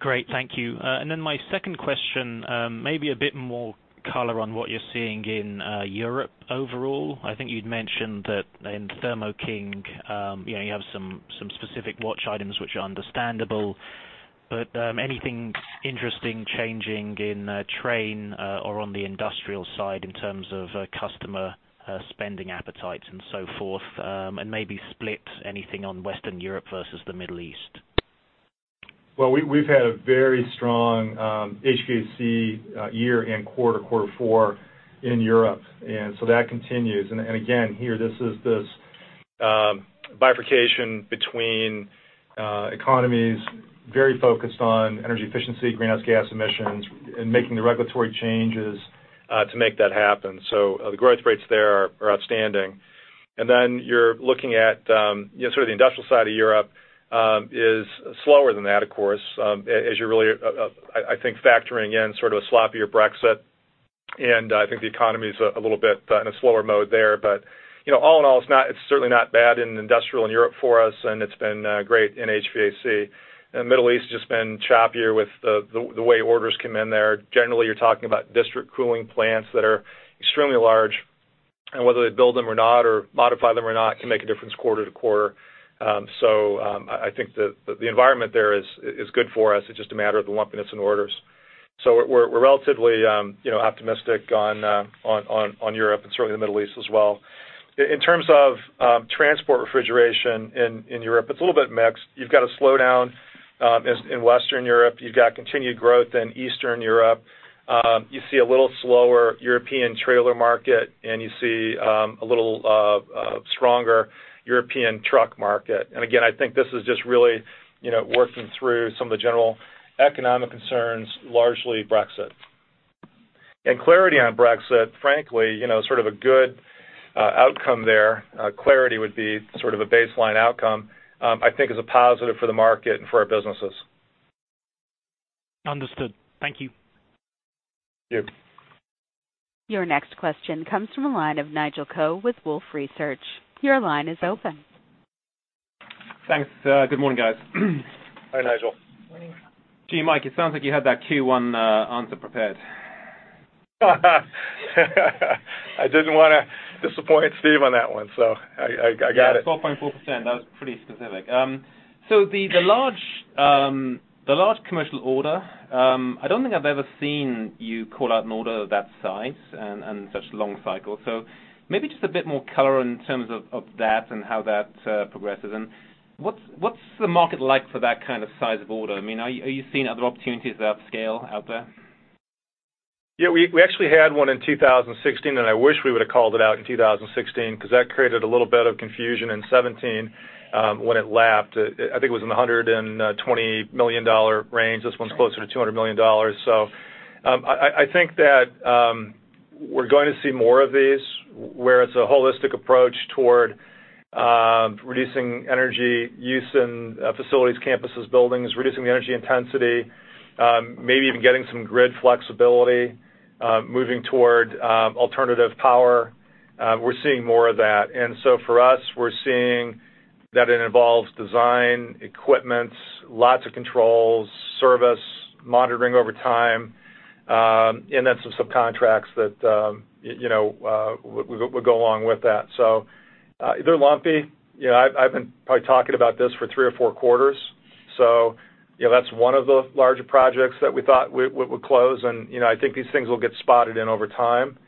Great. Thank you. Then my second question, maybe a bit more color on what you're seeing in Europe overall. I think you'd mentioned that in Thermo King, you have some specific watch items which are understandable. Anything interesting changing in Trane or on the industrial side in terms of customer spending appetites and so forth? Maybe split anything on Western Europe versus the Middle East. We've had a very strong HVAC year in quarter four in Europe. That continues. Again, here, this is this bifurcation between economies very focused on energy efficiency, greenhouse gas emissions, and making the regulatory changes to make that happen. The growth rates there are outstanding. Then you're looking at sort of the industrial side of Europe is slower than that, of course, as you're really, I think, factoring in sort of a sloppier Brexit. I think the economy is a little bit in a slower mode there. All in all, it's certainly not bad in industrial in Europe for us, and it's been great in HVAC. Middle East has just been choppier with the way orders come in there. Generally, you're talking about district cooling plants that are extremely large. Whether they build them or not, or modify them or not, can make a difference quarter to quarter. I think the environment there is good for us. It's just a matter of the lumpiness in orders. We're relatively optimistic on Europe and certainly the Middle East as well. In terms of transport refrigeration in Europe, it's a little bit mixed. You've got a slowdown in Western Europe. You've got continued growth in Eastern Europe. You see a little slower European trailer market, and you see a little stronger European truck market. Again, I think this is just really working through some of the general economic concerns, largely Brexit. Clarity on Brexit, frankly, sort of a good outcome there. Clarity would be sort of a baseline outcome, I think is a positive for the market and for our businesses. Understood. Thank you. Thank you. Your next question comes from the line of Nigel Coe with Wolfe Research. Your line is open. Thanks. Good morning, guys. Hi, Nigel. Morning. Gee, Mike, it sounds like you had that Q1 answer prepared. I didn't want to disappoint Steve on that one. I got it. Yeah, 12.4%. That was pretty specific. The large commercial order, I don't think I've ever seen you call out an order of that size and such long cycle. Maybe just a bit more color in terms of that and how that progresses. What's the market like for that kind of size of order? I mean, are you seeing other opportunities of that scale out there? Yeah, we actually had one in 2016. I wish we would've called it out in 2016 because that created a little bit of confusion in 2017 when it lapped. I think it was in the $120 million range. This one's closer to $200 million. I think that we're going to see more of these, where it's a holistic approach toward reducing energy use in facilities, campuses, buildings, reducing the energy intensity, maybe even getting some grid flexibility, moving toward alternative power. We're seeing more of that. For us, we're seeing that it involves design, equipment, lots of controls, service, monitoring over time, and then some subcontracts that would go along with that. They're lumpy. I've been probably talking about this for three or four quarters. That's one of the larger projects that we thought would close. I think these things will get spotted in over time.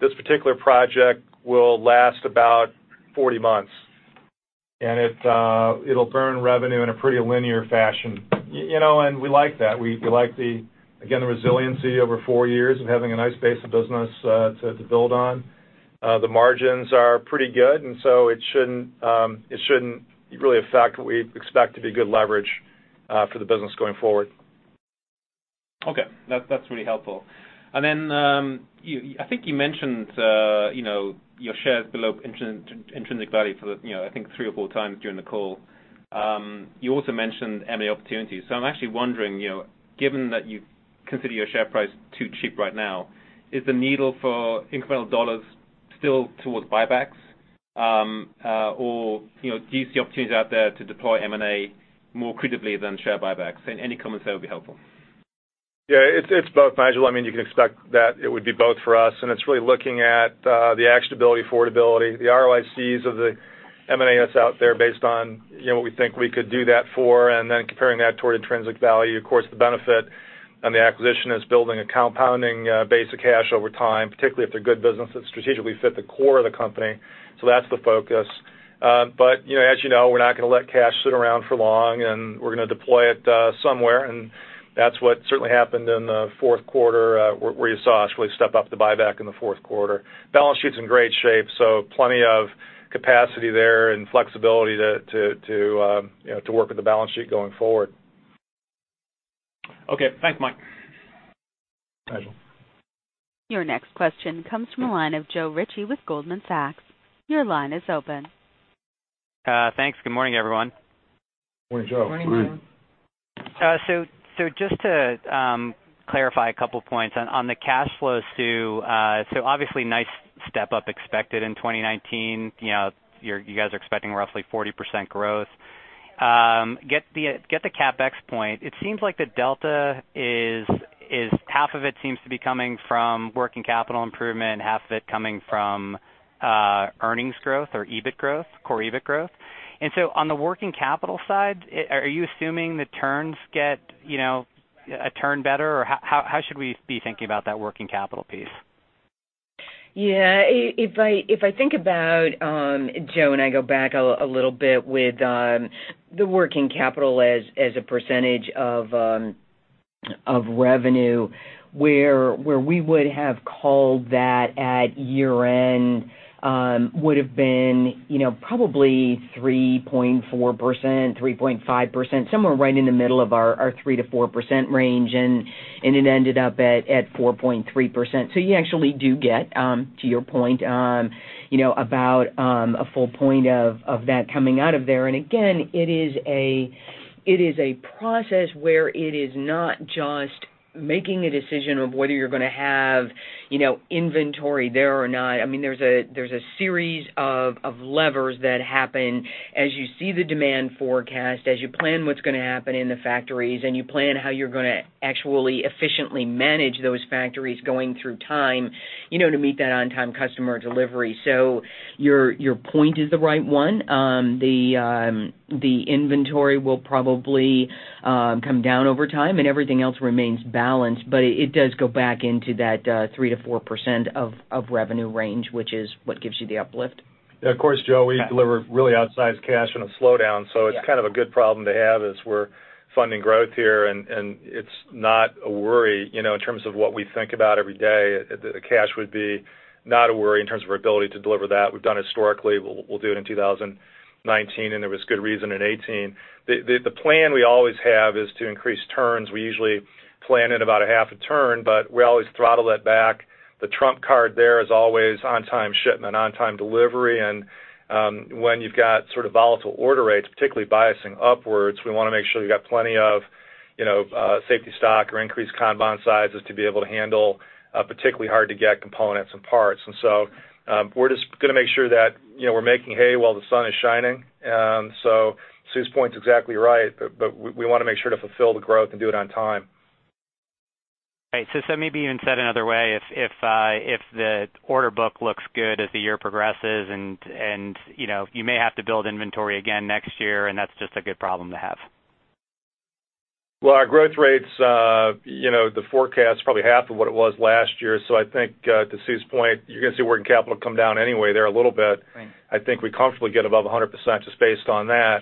This particular project will last about 40 months. It'll burn revenue in a pretty linear fashion. We like that. We like the, again, the resiliency over four years of having a nice base of business to build on. The margins are pretty good. It shouldn't really affect what we expect to be good leverage for the business going forward. Okay. That's really helpful. I think you mentioned your shares below intrinsic value for, I think, three or four times during the call. You also mentioned M&A opportunities. I'm actually wondering, given that you consider your share price too cheap right now, is the needle for incremental dollars still towards buybacks? Do you see opportunities out there to deploy M&A more creatively than share buybacks? Any comments there would be helpful. Yeah, it's both, Nigel. You can expect that it would be both for us, it's really looking at the actionability, affordability, the ROICs of the M&As out there based on what we think we could do that for, comparing that toward intrinsic value. Of course, the benefit on the acquisition is building a compounding base of cash over time, particularly if they're good businesses that strategically fit the core of the company. That's the focus. As you know, we're not going to let cash sit around for long, we're going to deploy it somewhere, that's what certainly happened in the fourth quarter, where you saw us really step up the buyback in the fourth quarter. Balance sheet's in great shape, plenty of capacity there and flexibility to work with the balance sheet going forward. Okay. Thanks, Mike. Nigel. Your next question comes from the line of Joe Ritchie with Goldman Sachs. Your line is open. Thanks. Good morning, everyone. Morning, Joe. Morning. Just to clarify a couple points on the cash flows, Sue. Obviously nice step-up expected in 2019. You guys are expecting roughly 40% growth. Get the CapEx point. It seems like the delta is half of it seems to be coming from working capital improvement, half of it coming from earnings growth or EBIT growth, core EBIT growth. On the working capital side, are you assuming the turns get a turn better, or how should we be thinking about that working capital piece? Yeah. If I think about, Joe, I go back a little bit with the working capital as a percentage of revenue, where we would have called that at year-end would've been probably 3.4%, 3.5%, somewhere right in the middle of our 3%-4% range, and it ended up at 4.3%. You actually do get, to your point, about a full point of that coming out of there. Again, it is a process where it is not just making a decision of whether you're going to have inventory there or not. There's a series of levers that happen as you see the demand forecast, as you plan what's going to happen in the factories, and you plan how you're going to actually efficiently manage those factories going through time to meet that on-time customer delivery. Your point is the right one. The inventory will probably come down over time, and everything else remains balanced, but it does go back into that 3% - 4% of revenue range, which is what gives you the uplift. Of course, Joe, we deliver really outsized cash in a slowdown. It's kind of a good problem to have as we're funding growth here, and it's not a worry, in terms of what we think about every day. The cash would be not a worry in terms of our ability to deliver that. We've done historically. We'll do it in 2019, and there was good reason in 2018. The plan we always have is to increase turns. We usually plan at about a half a turn, but we always throttle it back. The trump card there is always on-time shipment, on-time delivery. When you've got sort of volatile order rates, particularly biasing upwards, we want to make sure we've got plenty of safety stock or increased compound sizes to be able to handle particularly hard-to-get components and parts. We're just going to make sure that we're making hay while the sun is shining. Sue's point's exactly right, but we want to make sure to fulfill the growth and do it on time. Right. Maybe even said another way, if the order book looks good as the year progresses, and you may have to build inventory again next year, and that's just a good problem to have. Well, our growth rate's, the forecast's probably half of what it was last year. I think, to Sue's point, you're going to see working capital come down anyway there a little bit. Right. I think we comfortably get above 100% just based on that.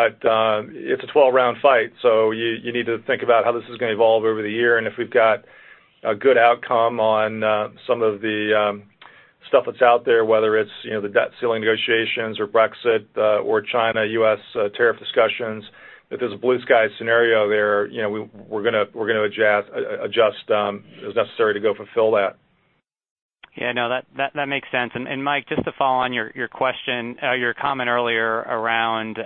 It's a 12-round fight, so you need to think about how this is going to evolve over the year. If we've got a good outcome on some of the stuff that's out there, whether it's the debt ceiling negotiations or Brexit, or China-U.S. tariff discussions, if there's a blue sky scenario there, we're going to adjust as necessary to go fulfill that. Yeah, no, that makes sense. Mike, just to follow on your comment earlier around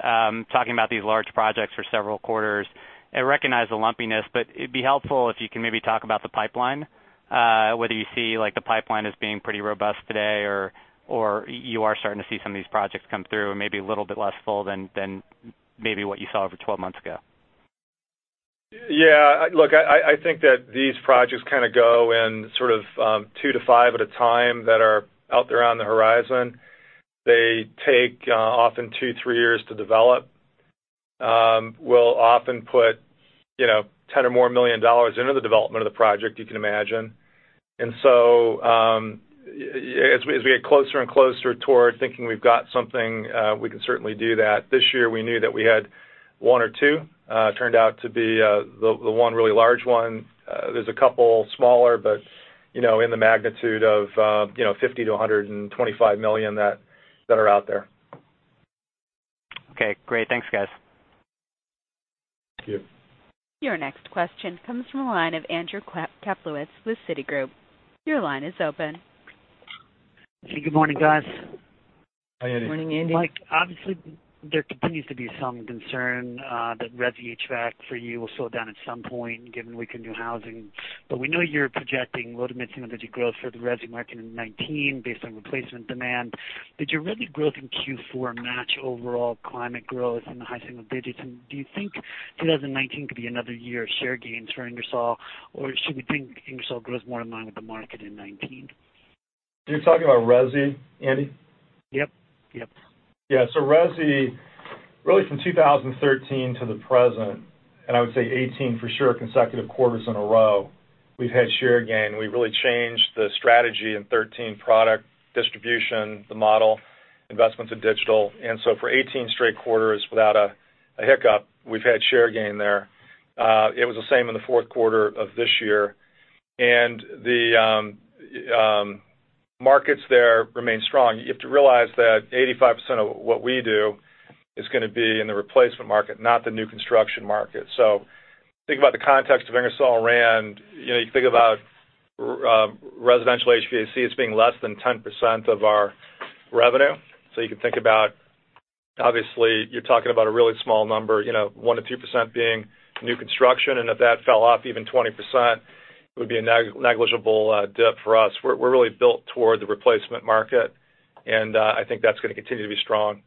talking about these large projects for several quarters, I recognize the lumpiness, but it'd be helpful if you can maybe talk about the pipeline, whether you see the pipeline as being pretty robust today or you are starting to see some of these projects come through and maybe a little bit less full than maybe what you saw over 12 months ago. Yeah. Look, I think that these projects kind of go in sort of two to five at a time that are out there on the horizon. They take often two, three years to develop. Often put $10 or more million into the development of the project, you can imagine. As we get closer and closer toward thinking we've got something, we can certainly do that. This year we knew that we had one or two. Turned out to be the one really large one. There's a couple smaller, but in the magnitude of $50 million-$125 million that are out there. Okay, great. Thanks, guys. Thank you. Your next question comes from the line of Andrew Kaplowitz with Citigroup. Your line is open. Hey. Good morning, guys. Hi, Andy. Morning, Andy. Mike, obviously there continues to be some concern that res HVAC for you will slow down at some point, given weak and new housing. We know you're projecting low double-digit growth for the resi market in 2019, based on replacement demand. Did your resi growth in Q4 match overall climate growth in the high single digits? Do you think 2019 could be another year of share gains for Ingersoll? Should we think Ingersoll grows more in line with the market in 2019? You're talking about resi, Andy? Yep. Yeah. resi, really from 2013 to the present, I would say 18, for sure, consecutive quarters in a row, we've had share gain. We really changed the strategy in 2013, product distribution, the model, investments in digital. For 18 straight quarters without a hiccup, we've had share gain there. It was the same in the fourth quarter of this year. The markets there remain strong. You have to realize that 85% of what we do is going to be in the replacement market, not the new construction market. Think about the context of Ingersoll Rand. You think about residential HVAC as being less than 10% of our revenue. You can think about, obviously, you're talking about a really small number, 1%-2% being new construction. If that fell off even 20%, it would be a negligible dip for us. We're really built toward the replacement market, I think that's going to continue to be strong.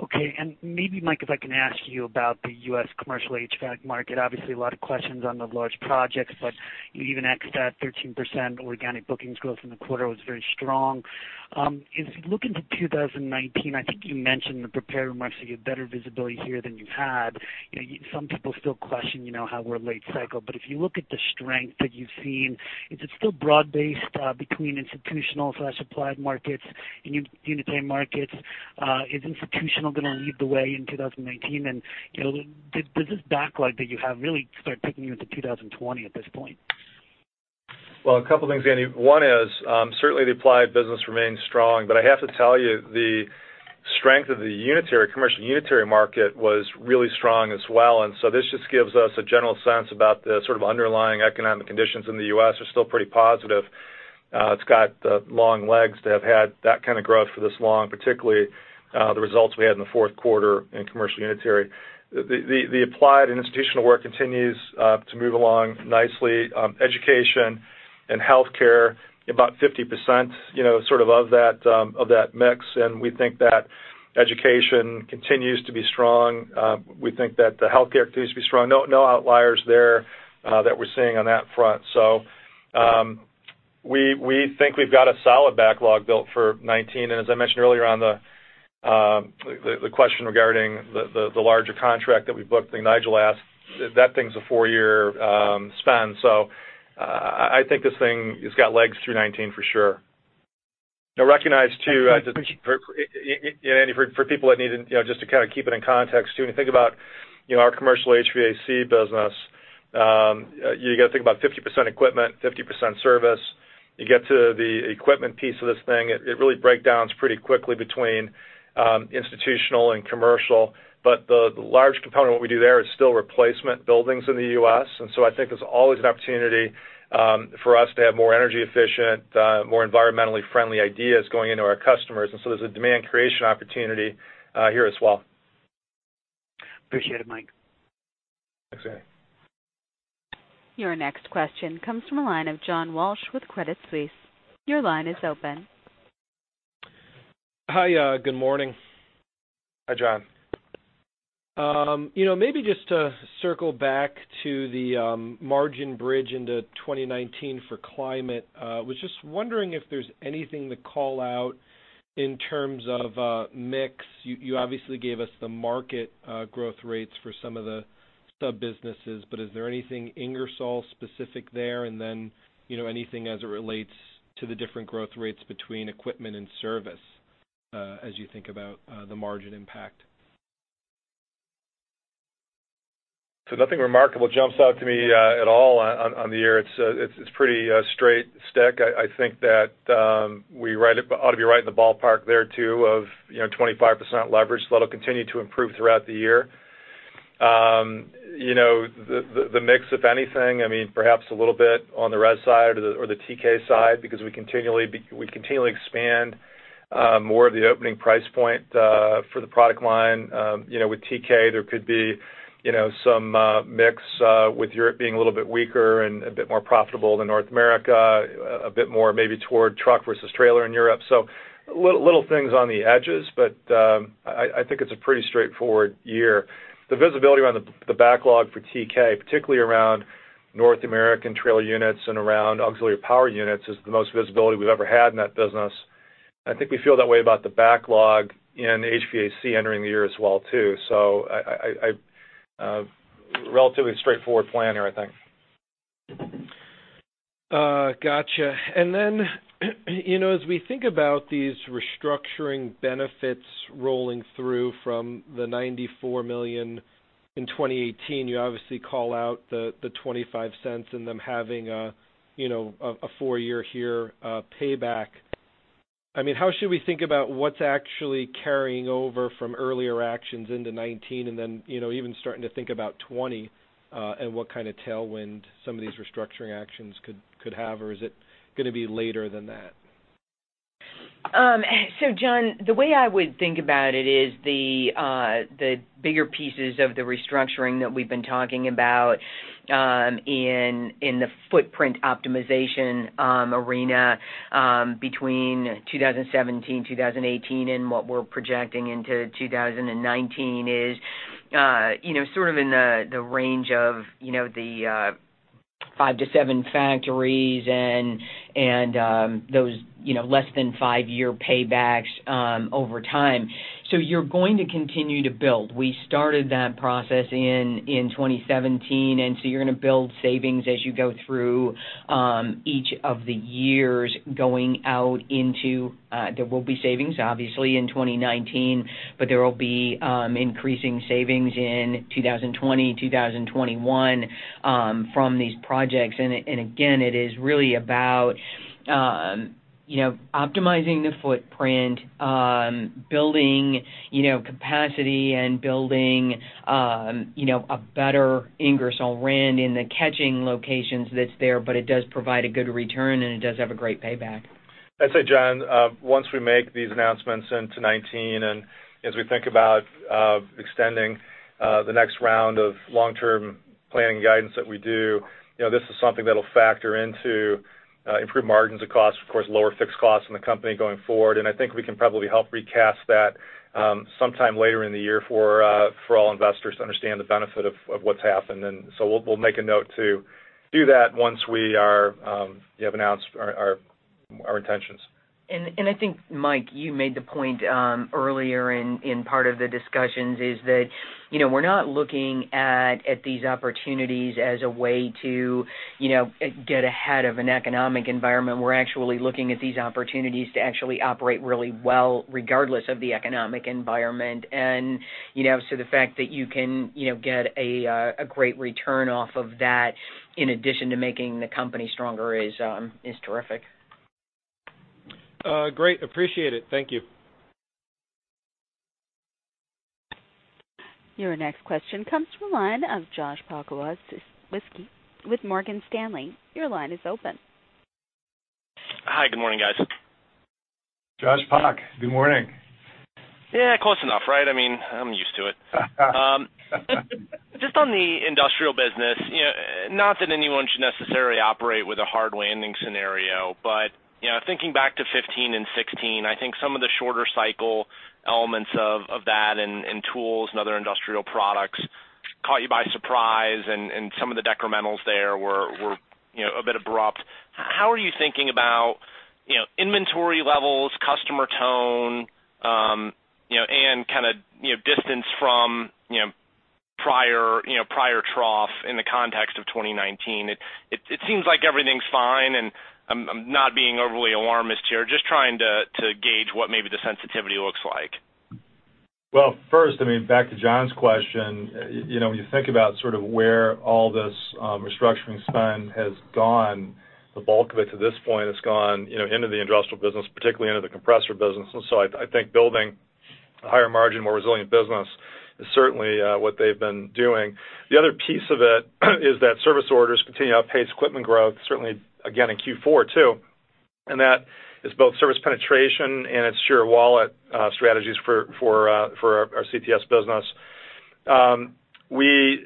Okay. Maybe, Mike, if I can ask you about the U.S. commercial HVAC market. Obviously, a lot of questions on the large projects, even ex that 13% organic bookings growth in the quarter was very strong. As you look into 2019, I think you mentioned in the prepared remarks that you have better visibility here than you've had. Some people still question how we're late cycle, if you look at the strength that you've seen, is it still broad based between institutional/applied markets and unitary markets? Is institutional going to lead the way in 2019? Does this backlog that you have really start taking you into 2020 at this point? Well, a couple things, Andy. One is, certainly the applied business remains strong, I have to tell you, the strength of the unitary, commercial unitary market was really strong as well. This just gives us a general sense about the sort of underlying economic conditions in the U.S. are still pretty positive. It's got long legs to have had that kind of growth for this long, particularly the results we had in the fourth quarter in commercial unitary. The applied and institutional work continues to move along nicely. Education and healthcare, about 50% of that mix, we think that education continues to be strong. We think that the healthcare continues to be strong. No outliers there that we're seeing on that front. We think we've got a solid backlog built for 2019. As I mentioned earlier on the question regarding the larger contract that we booked, Nigel asked, that thing's a four-year spend. I think this thing has got legs through 2019 for sure. Recognize too, Andy, for people that need, just to kind of keep it in context too, when you think about our commercial HVAC business, you got to think about 50% equipment, 50% service. You get to the equipment piece of this thing, it really breaks down pretty quickly between institutional and commercial. The large component of what we do there is still replacement buildings in the U.S. I think there's always an opportunity for us to have more energy efficient, more environmentally friendly ideas going into our customers. There's a demand creation opportunity here as well. Appreciate it, Mike. Thanks, Andy. Your next question comes from the line of John Walsh with Credit Suisse. Your line is open. Hi. Good morning. Hi, John. Maybe just to circle back to the margin bridge into 2019 for climate. Was just wondering if there's anything to call out in terms of mix. You obviously gave us the market growth rates for some of the sub-businesses, but is there anything Ingersoll specific there? Anything as it relates to the different growth rates between equipment and service as you think about the margin impact? Nothing remarkable jumps out to me at all on the year. It's pretty straight stick. I think that we ought to be right in the ballpark there too, of 25% leverage. That'll continue to improve throughout the year. The mix, if anything, perhaps a little bit on the resi side or the TK side, because we continually expand more of the opening price point for the product line. With TK, there could be some mix with Europe being a little bit weaker and a bit more profitable than North America, a bit more maybe toward truck versus trailer in Europe. Little things on the edges, but I think it's a pretty straightforward year. The visibility around the backlog for TK, particularly around North American trailer units and around auxiliary power units, is the most visibility we've ever had in that business. I think we feel that way about the backlog in HVAC entering the year as well too. Relatively straightforward planner, I think. Got you. As we think about these restructuring benefits rolling through from the $94 million in 2018, you obviously call out the $0.25 and them having a four-year here payback. How should we think about what's actually carrying over from earlier actions into 2019, and then even starting to think about 2020, and what kind of tailwind some of these restructuring actions could have? Or is it going to be later than that? John, the way I would think about it is the bigger pieces of the restructuring that we've been talking about in the footprint optimization arena between 2017, 2018, and what we're projecting into 2019 is sort of in the range of the five to seven factories and those less than five-year paybacks over time. You're going to continue to build. We started that process in 2017, and so you're going to build savings as you go through each of the years. There will be savings, obviously, in 2019, but there will be increasing savings in 2020, 2021 from these projects. Again, it is really about optimizing the footprint, building capacity and building a better Ingersoll Rand in the catching locations that's there, but it does provide a good return, and it does have a great payback. I'd say, John, once we make these announcements into 2019, and as we think about extending the next round of long-term planning guidance that we do, this is something that'll factor into improved margins of cost, of course, lower fixed costs in the company going forward. I think we can probably help recast that sometime later in the year for all investors to understand the benefit of what's happened. We'll make a note to do that once we have announced our intentions. I think, Mike, you made the point earlier in part of the discussions is that we're not looking at these opportunities as a way to get ahead of an economic environment. We're actually looking at these opportunities to actually operate really well, regardless of the economic environment. The fact that you can get a great return off of that in addition to making the company stronger is terrific. Great. Appreciate it. Thank you. Your next question comes from the line of Joshua Pokrzywinski with Morgan Stanley. Your line is open. Hi, good morning, guys. Josh Pok. Good morning. Yeah, close enough, right? I mean, I'm used to it. Just on the industrial business, not that anyone should necessarily operate with a hard landing scenario, but thinking back to 2015 and 2016, I think some of the shorter cycle elements of that in tools and other industrial products caught you by surprise, and some of the decrementals there were a bit abrupt. How are you thinking about inventory levels, customer tone, and kind of distance from prior trough in the context of 2019? It seems like everything's fine, and I'm not being overly alarmist here, just trying to gauge what maybe the sensitivity looks like. Well, first, back to John's question, when you think about sort of where all this restructuring spend has gone, the bulk of it to this point has gone into the industrial business, particularly into the compressor business. I think building a higher margin, more resilient business is certainly what they've been doing. The other piece of it is that service orders continue to outpace equipment growth, certainly again in Q4 too, and that is both service penetration and its sheer wallet strategies for our CTS business. We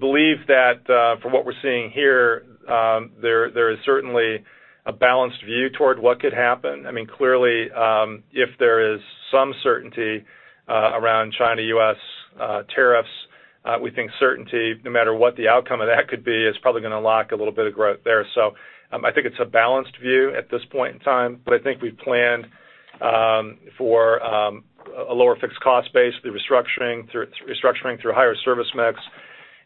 believe that from what we're seeing here, there is certainly a balanced view toward what could happen. Clearly, if there is some certainty around China-U.S. tariffs, we think certainty, no matter what the outcome of that could be, is probably going to unlock a little bit of growth there. I think it's a balanced view at this point in time, but I think we've planned for a lower fixed cost base through restructuring through higher service mix.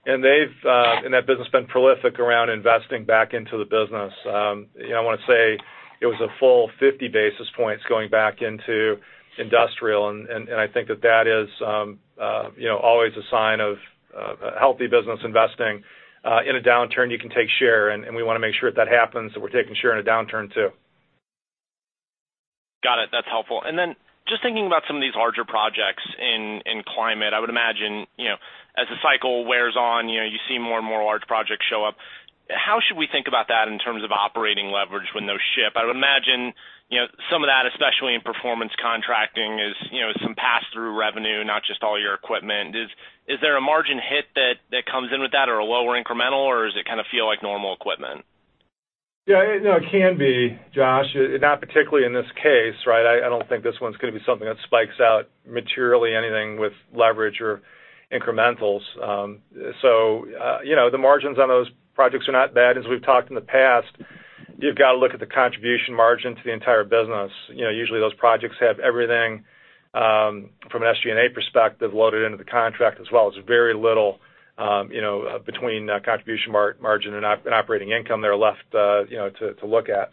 That business has been prolific around investing back into the business. I want to say it was a full 50 basis points going back into industrial, and I think that that is always a sign of healthy business investing. In a downturn, you can take share, and we want to make sure that happens, and we're taking share in a downturn, too. Got it. That's helpful. Just thinking about some of these larger projects in Climate, I would imagine as the cycle wears on, you see more and more large projects show up. How should we think about that in terms of operating leverage when those ship? I would imagine some of that, especially in performance contracting, is some pass-through revenue, not just all your equipment. Is there a margin hit that comes in with that or a lower incremental, or does it kind of feel like normal equipment? Yeah, it can be, Josh. Not particularly in this case. I don't think this one's going to be something that spikes out materially anything with leverage or incrementals. The margins on those projects are not bad, as we've talked in the past. You've got to look at the contribution margin to the entire business. Usually, those projects have everything from an SG&A perspective loaded into the contract as well. There's very little between contribution margin and operating income there left to look at.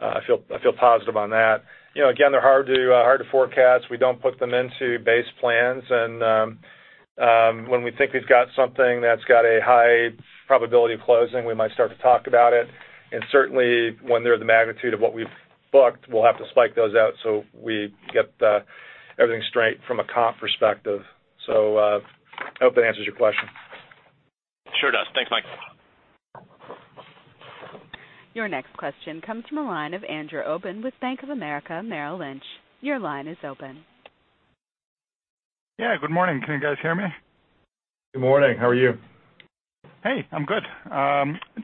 I feel positive on that. Again, they're hard to forecast. We don't put them into base plans. When we think we've got something that's got a high probability of closing, we might start to talk about it. Certainly, when they're the magnitude of what we've booked, we'll have to spike those out so we get everything straight from a comp perspective. I hope that answers your question. Sure does. Thanks, Mike. Your next question comes from the line of Andrew Obin with Bank of America Merrill Lynch. Your line is open. Yeah, good morning. Can you guys hear me? Good morning. How are you? Hey, I'm good.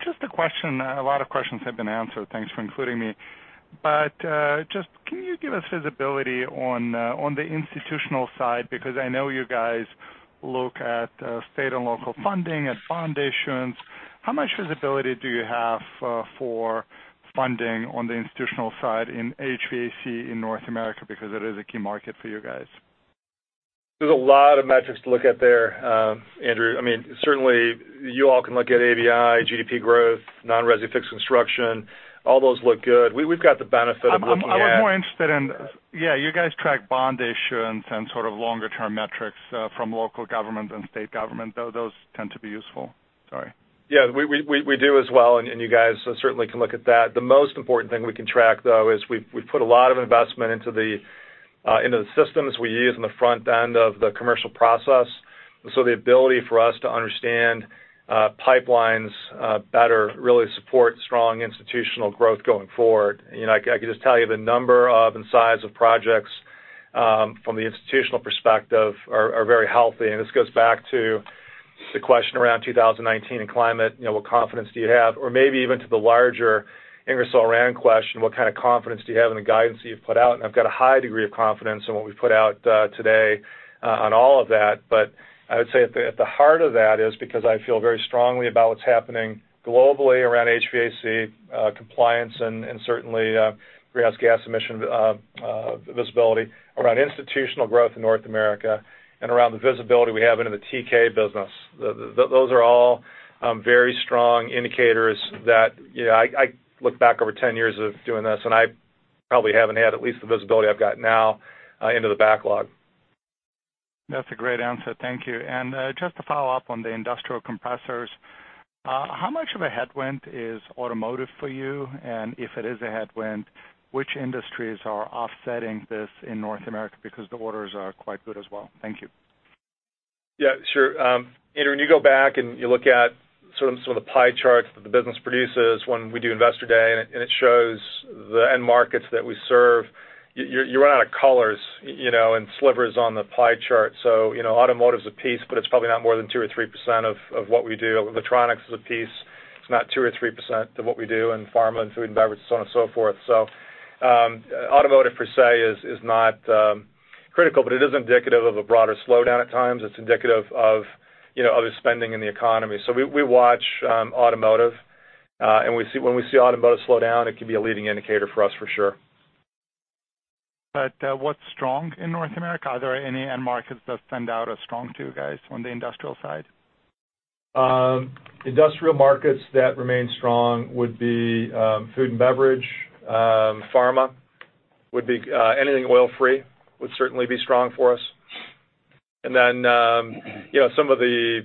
Just a question. A lot of questions have been answered. Thanks for including me. Just can you give us visibility on the institutional side? I know you guys look at state and local funding and bond issuance. How much visibility do you have for funding on the institutional side in HVAC in North America because it is a key market for you guys? There's a lot of metrics to look at there, Andrew. Certainly, you all can look at ABI, GDP growth, non-resi fixed construction. All those look good. We've got the benefit of looking at- I was more interested. Yeah, you guys track bond issuance and sort of longer-term metrics from local government and state government, though those tend to be useful. Sorry. We do as well, you guys certainly can look at that. The most important thing we can track, though, is we put a lot of investment into the systems we use on the front end of the commercial process. The ability for us to understand pipelines better really support strong institutional growth going forward. I could just tell you the number of and size of projects from the institutional perspective are very healthy. This goes back to the question around 2019 and climate, what confidence do you have? Or maybe even to the larger Ingersoll Rand question, what kind of confidence do you have in the guidance that you've put out? I've got a high degree of confidence in what we've put out today on all of that. I would say at the heart of that is because I feel very strongly about what's happening globally around HVAC compliance and certainly greenhouse gas emission visibility around institutional growth in North America and around the visibility we have into the TK business. Those are all very strong indicators that I look back over 10 years of doing this, I probably haven't had at least the visibility I've got now into the backlog. That's a great answer. Thank you. Just to follow up on the industrial compressors, how much of a headwind is automotive for you? If it is a headwind, which industries are offsetting this in North America? The orders are quite good as well. Thank you. Yeah, sure. Andrew, when you go back and you look at some of the pie charts that the business produces when we do Investor Day, it shows the end markets that we serve, you run out of colors and slivers on the pie chart. Automotive's a piece, but it's probably not more than 2% or 3% of what we do. Electronics is a piece. It's not 2% or 3% of what we do, pharma and food and beverage, so on and so forth. Automotive, per se, is not critical, but it is indicative of a broader slowdown at times. It's indicative of other spending in the economy. We watch automotive, when we see automotive slow down, it can be a leading indicator for us, for sure. What's strong in North America? Are there any end markets that stand out as strong to you guys on the industrial side? Industrial markets that remain strong would be food and beverage, pharma. Anything oil-free would certainly be strong for us. Some of the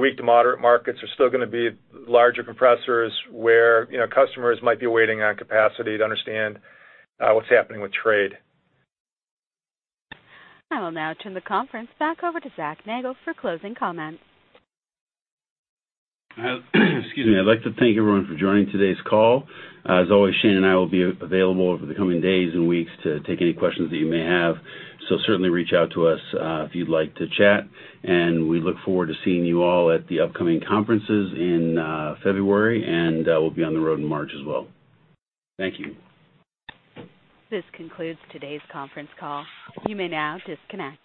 weak to moderate markets are still going to be larger compressors where customers might be waiting on capacity to understand what's happening with trade. I will now turn the conference back over to Zac Nagle for closing comments. Excuse me. I'd like to thank everyone for joining today's call. As always, Sue and I will be available over the coming days and weeks to take any questions that you may have. Certainly reach out to us if you'd like to chat. We look forward to seeing you all at the upcoming conferences in February, and we'll be on the road in March as well. Thank you. This concludes today's conference call. You may now disconnect.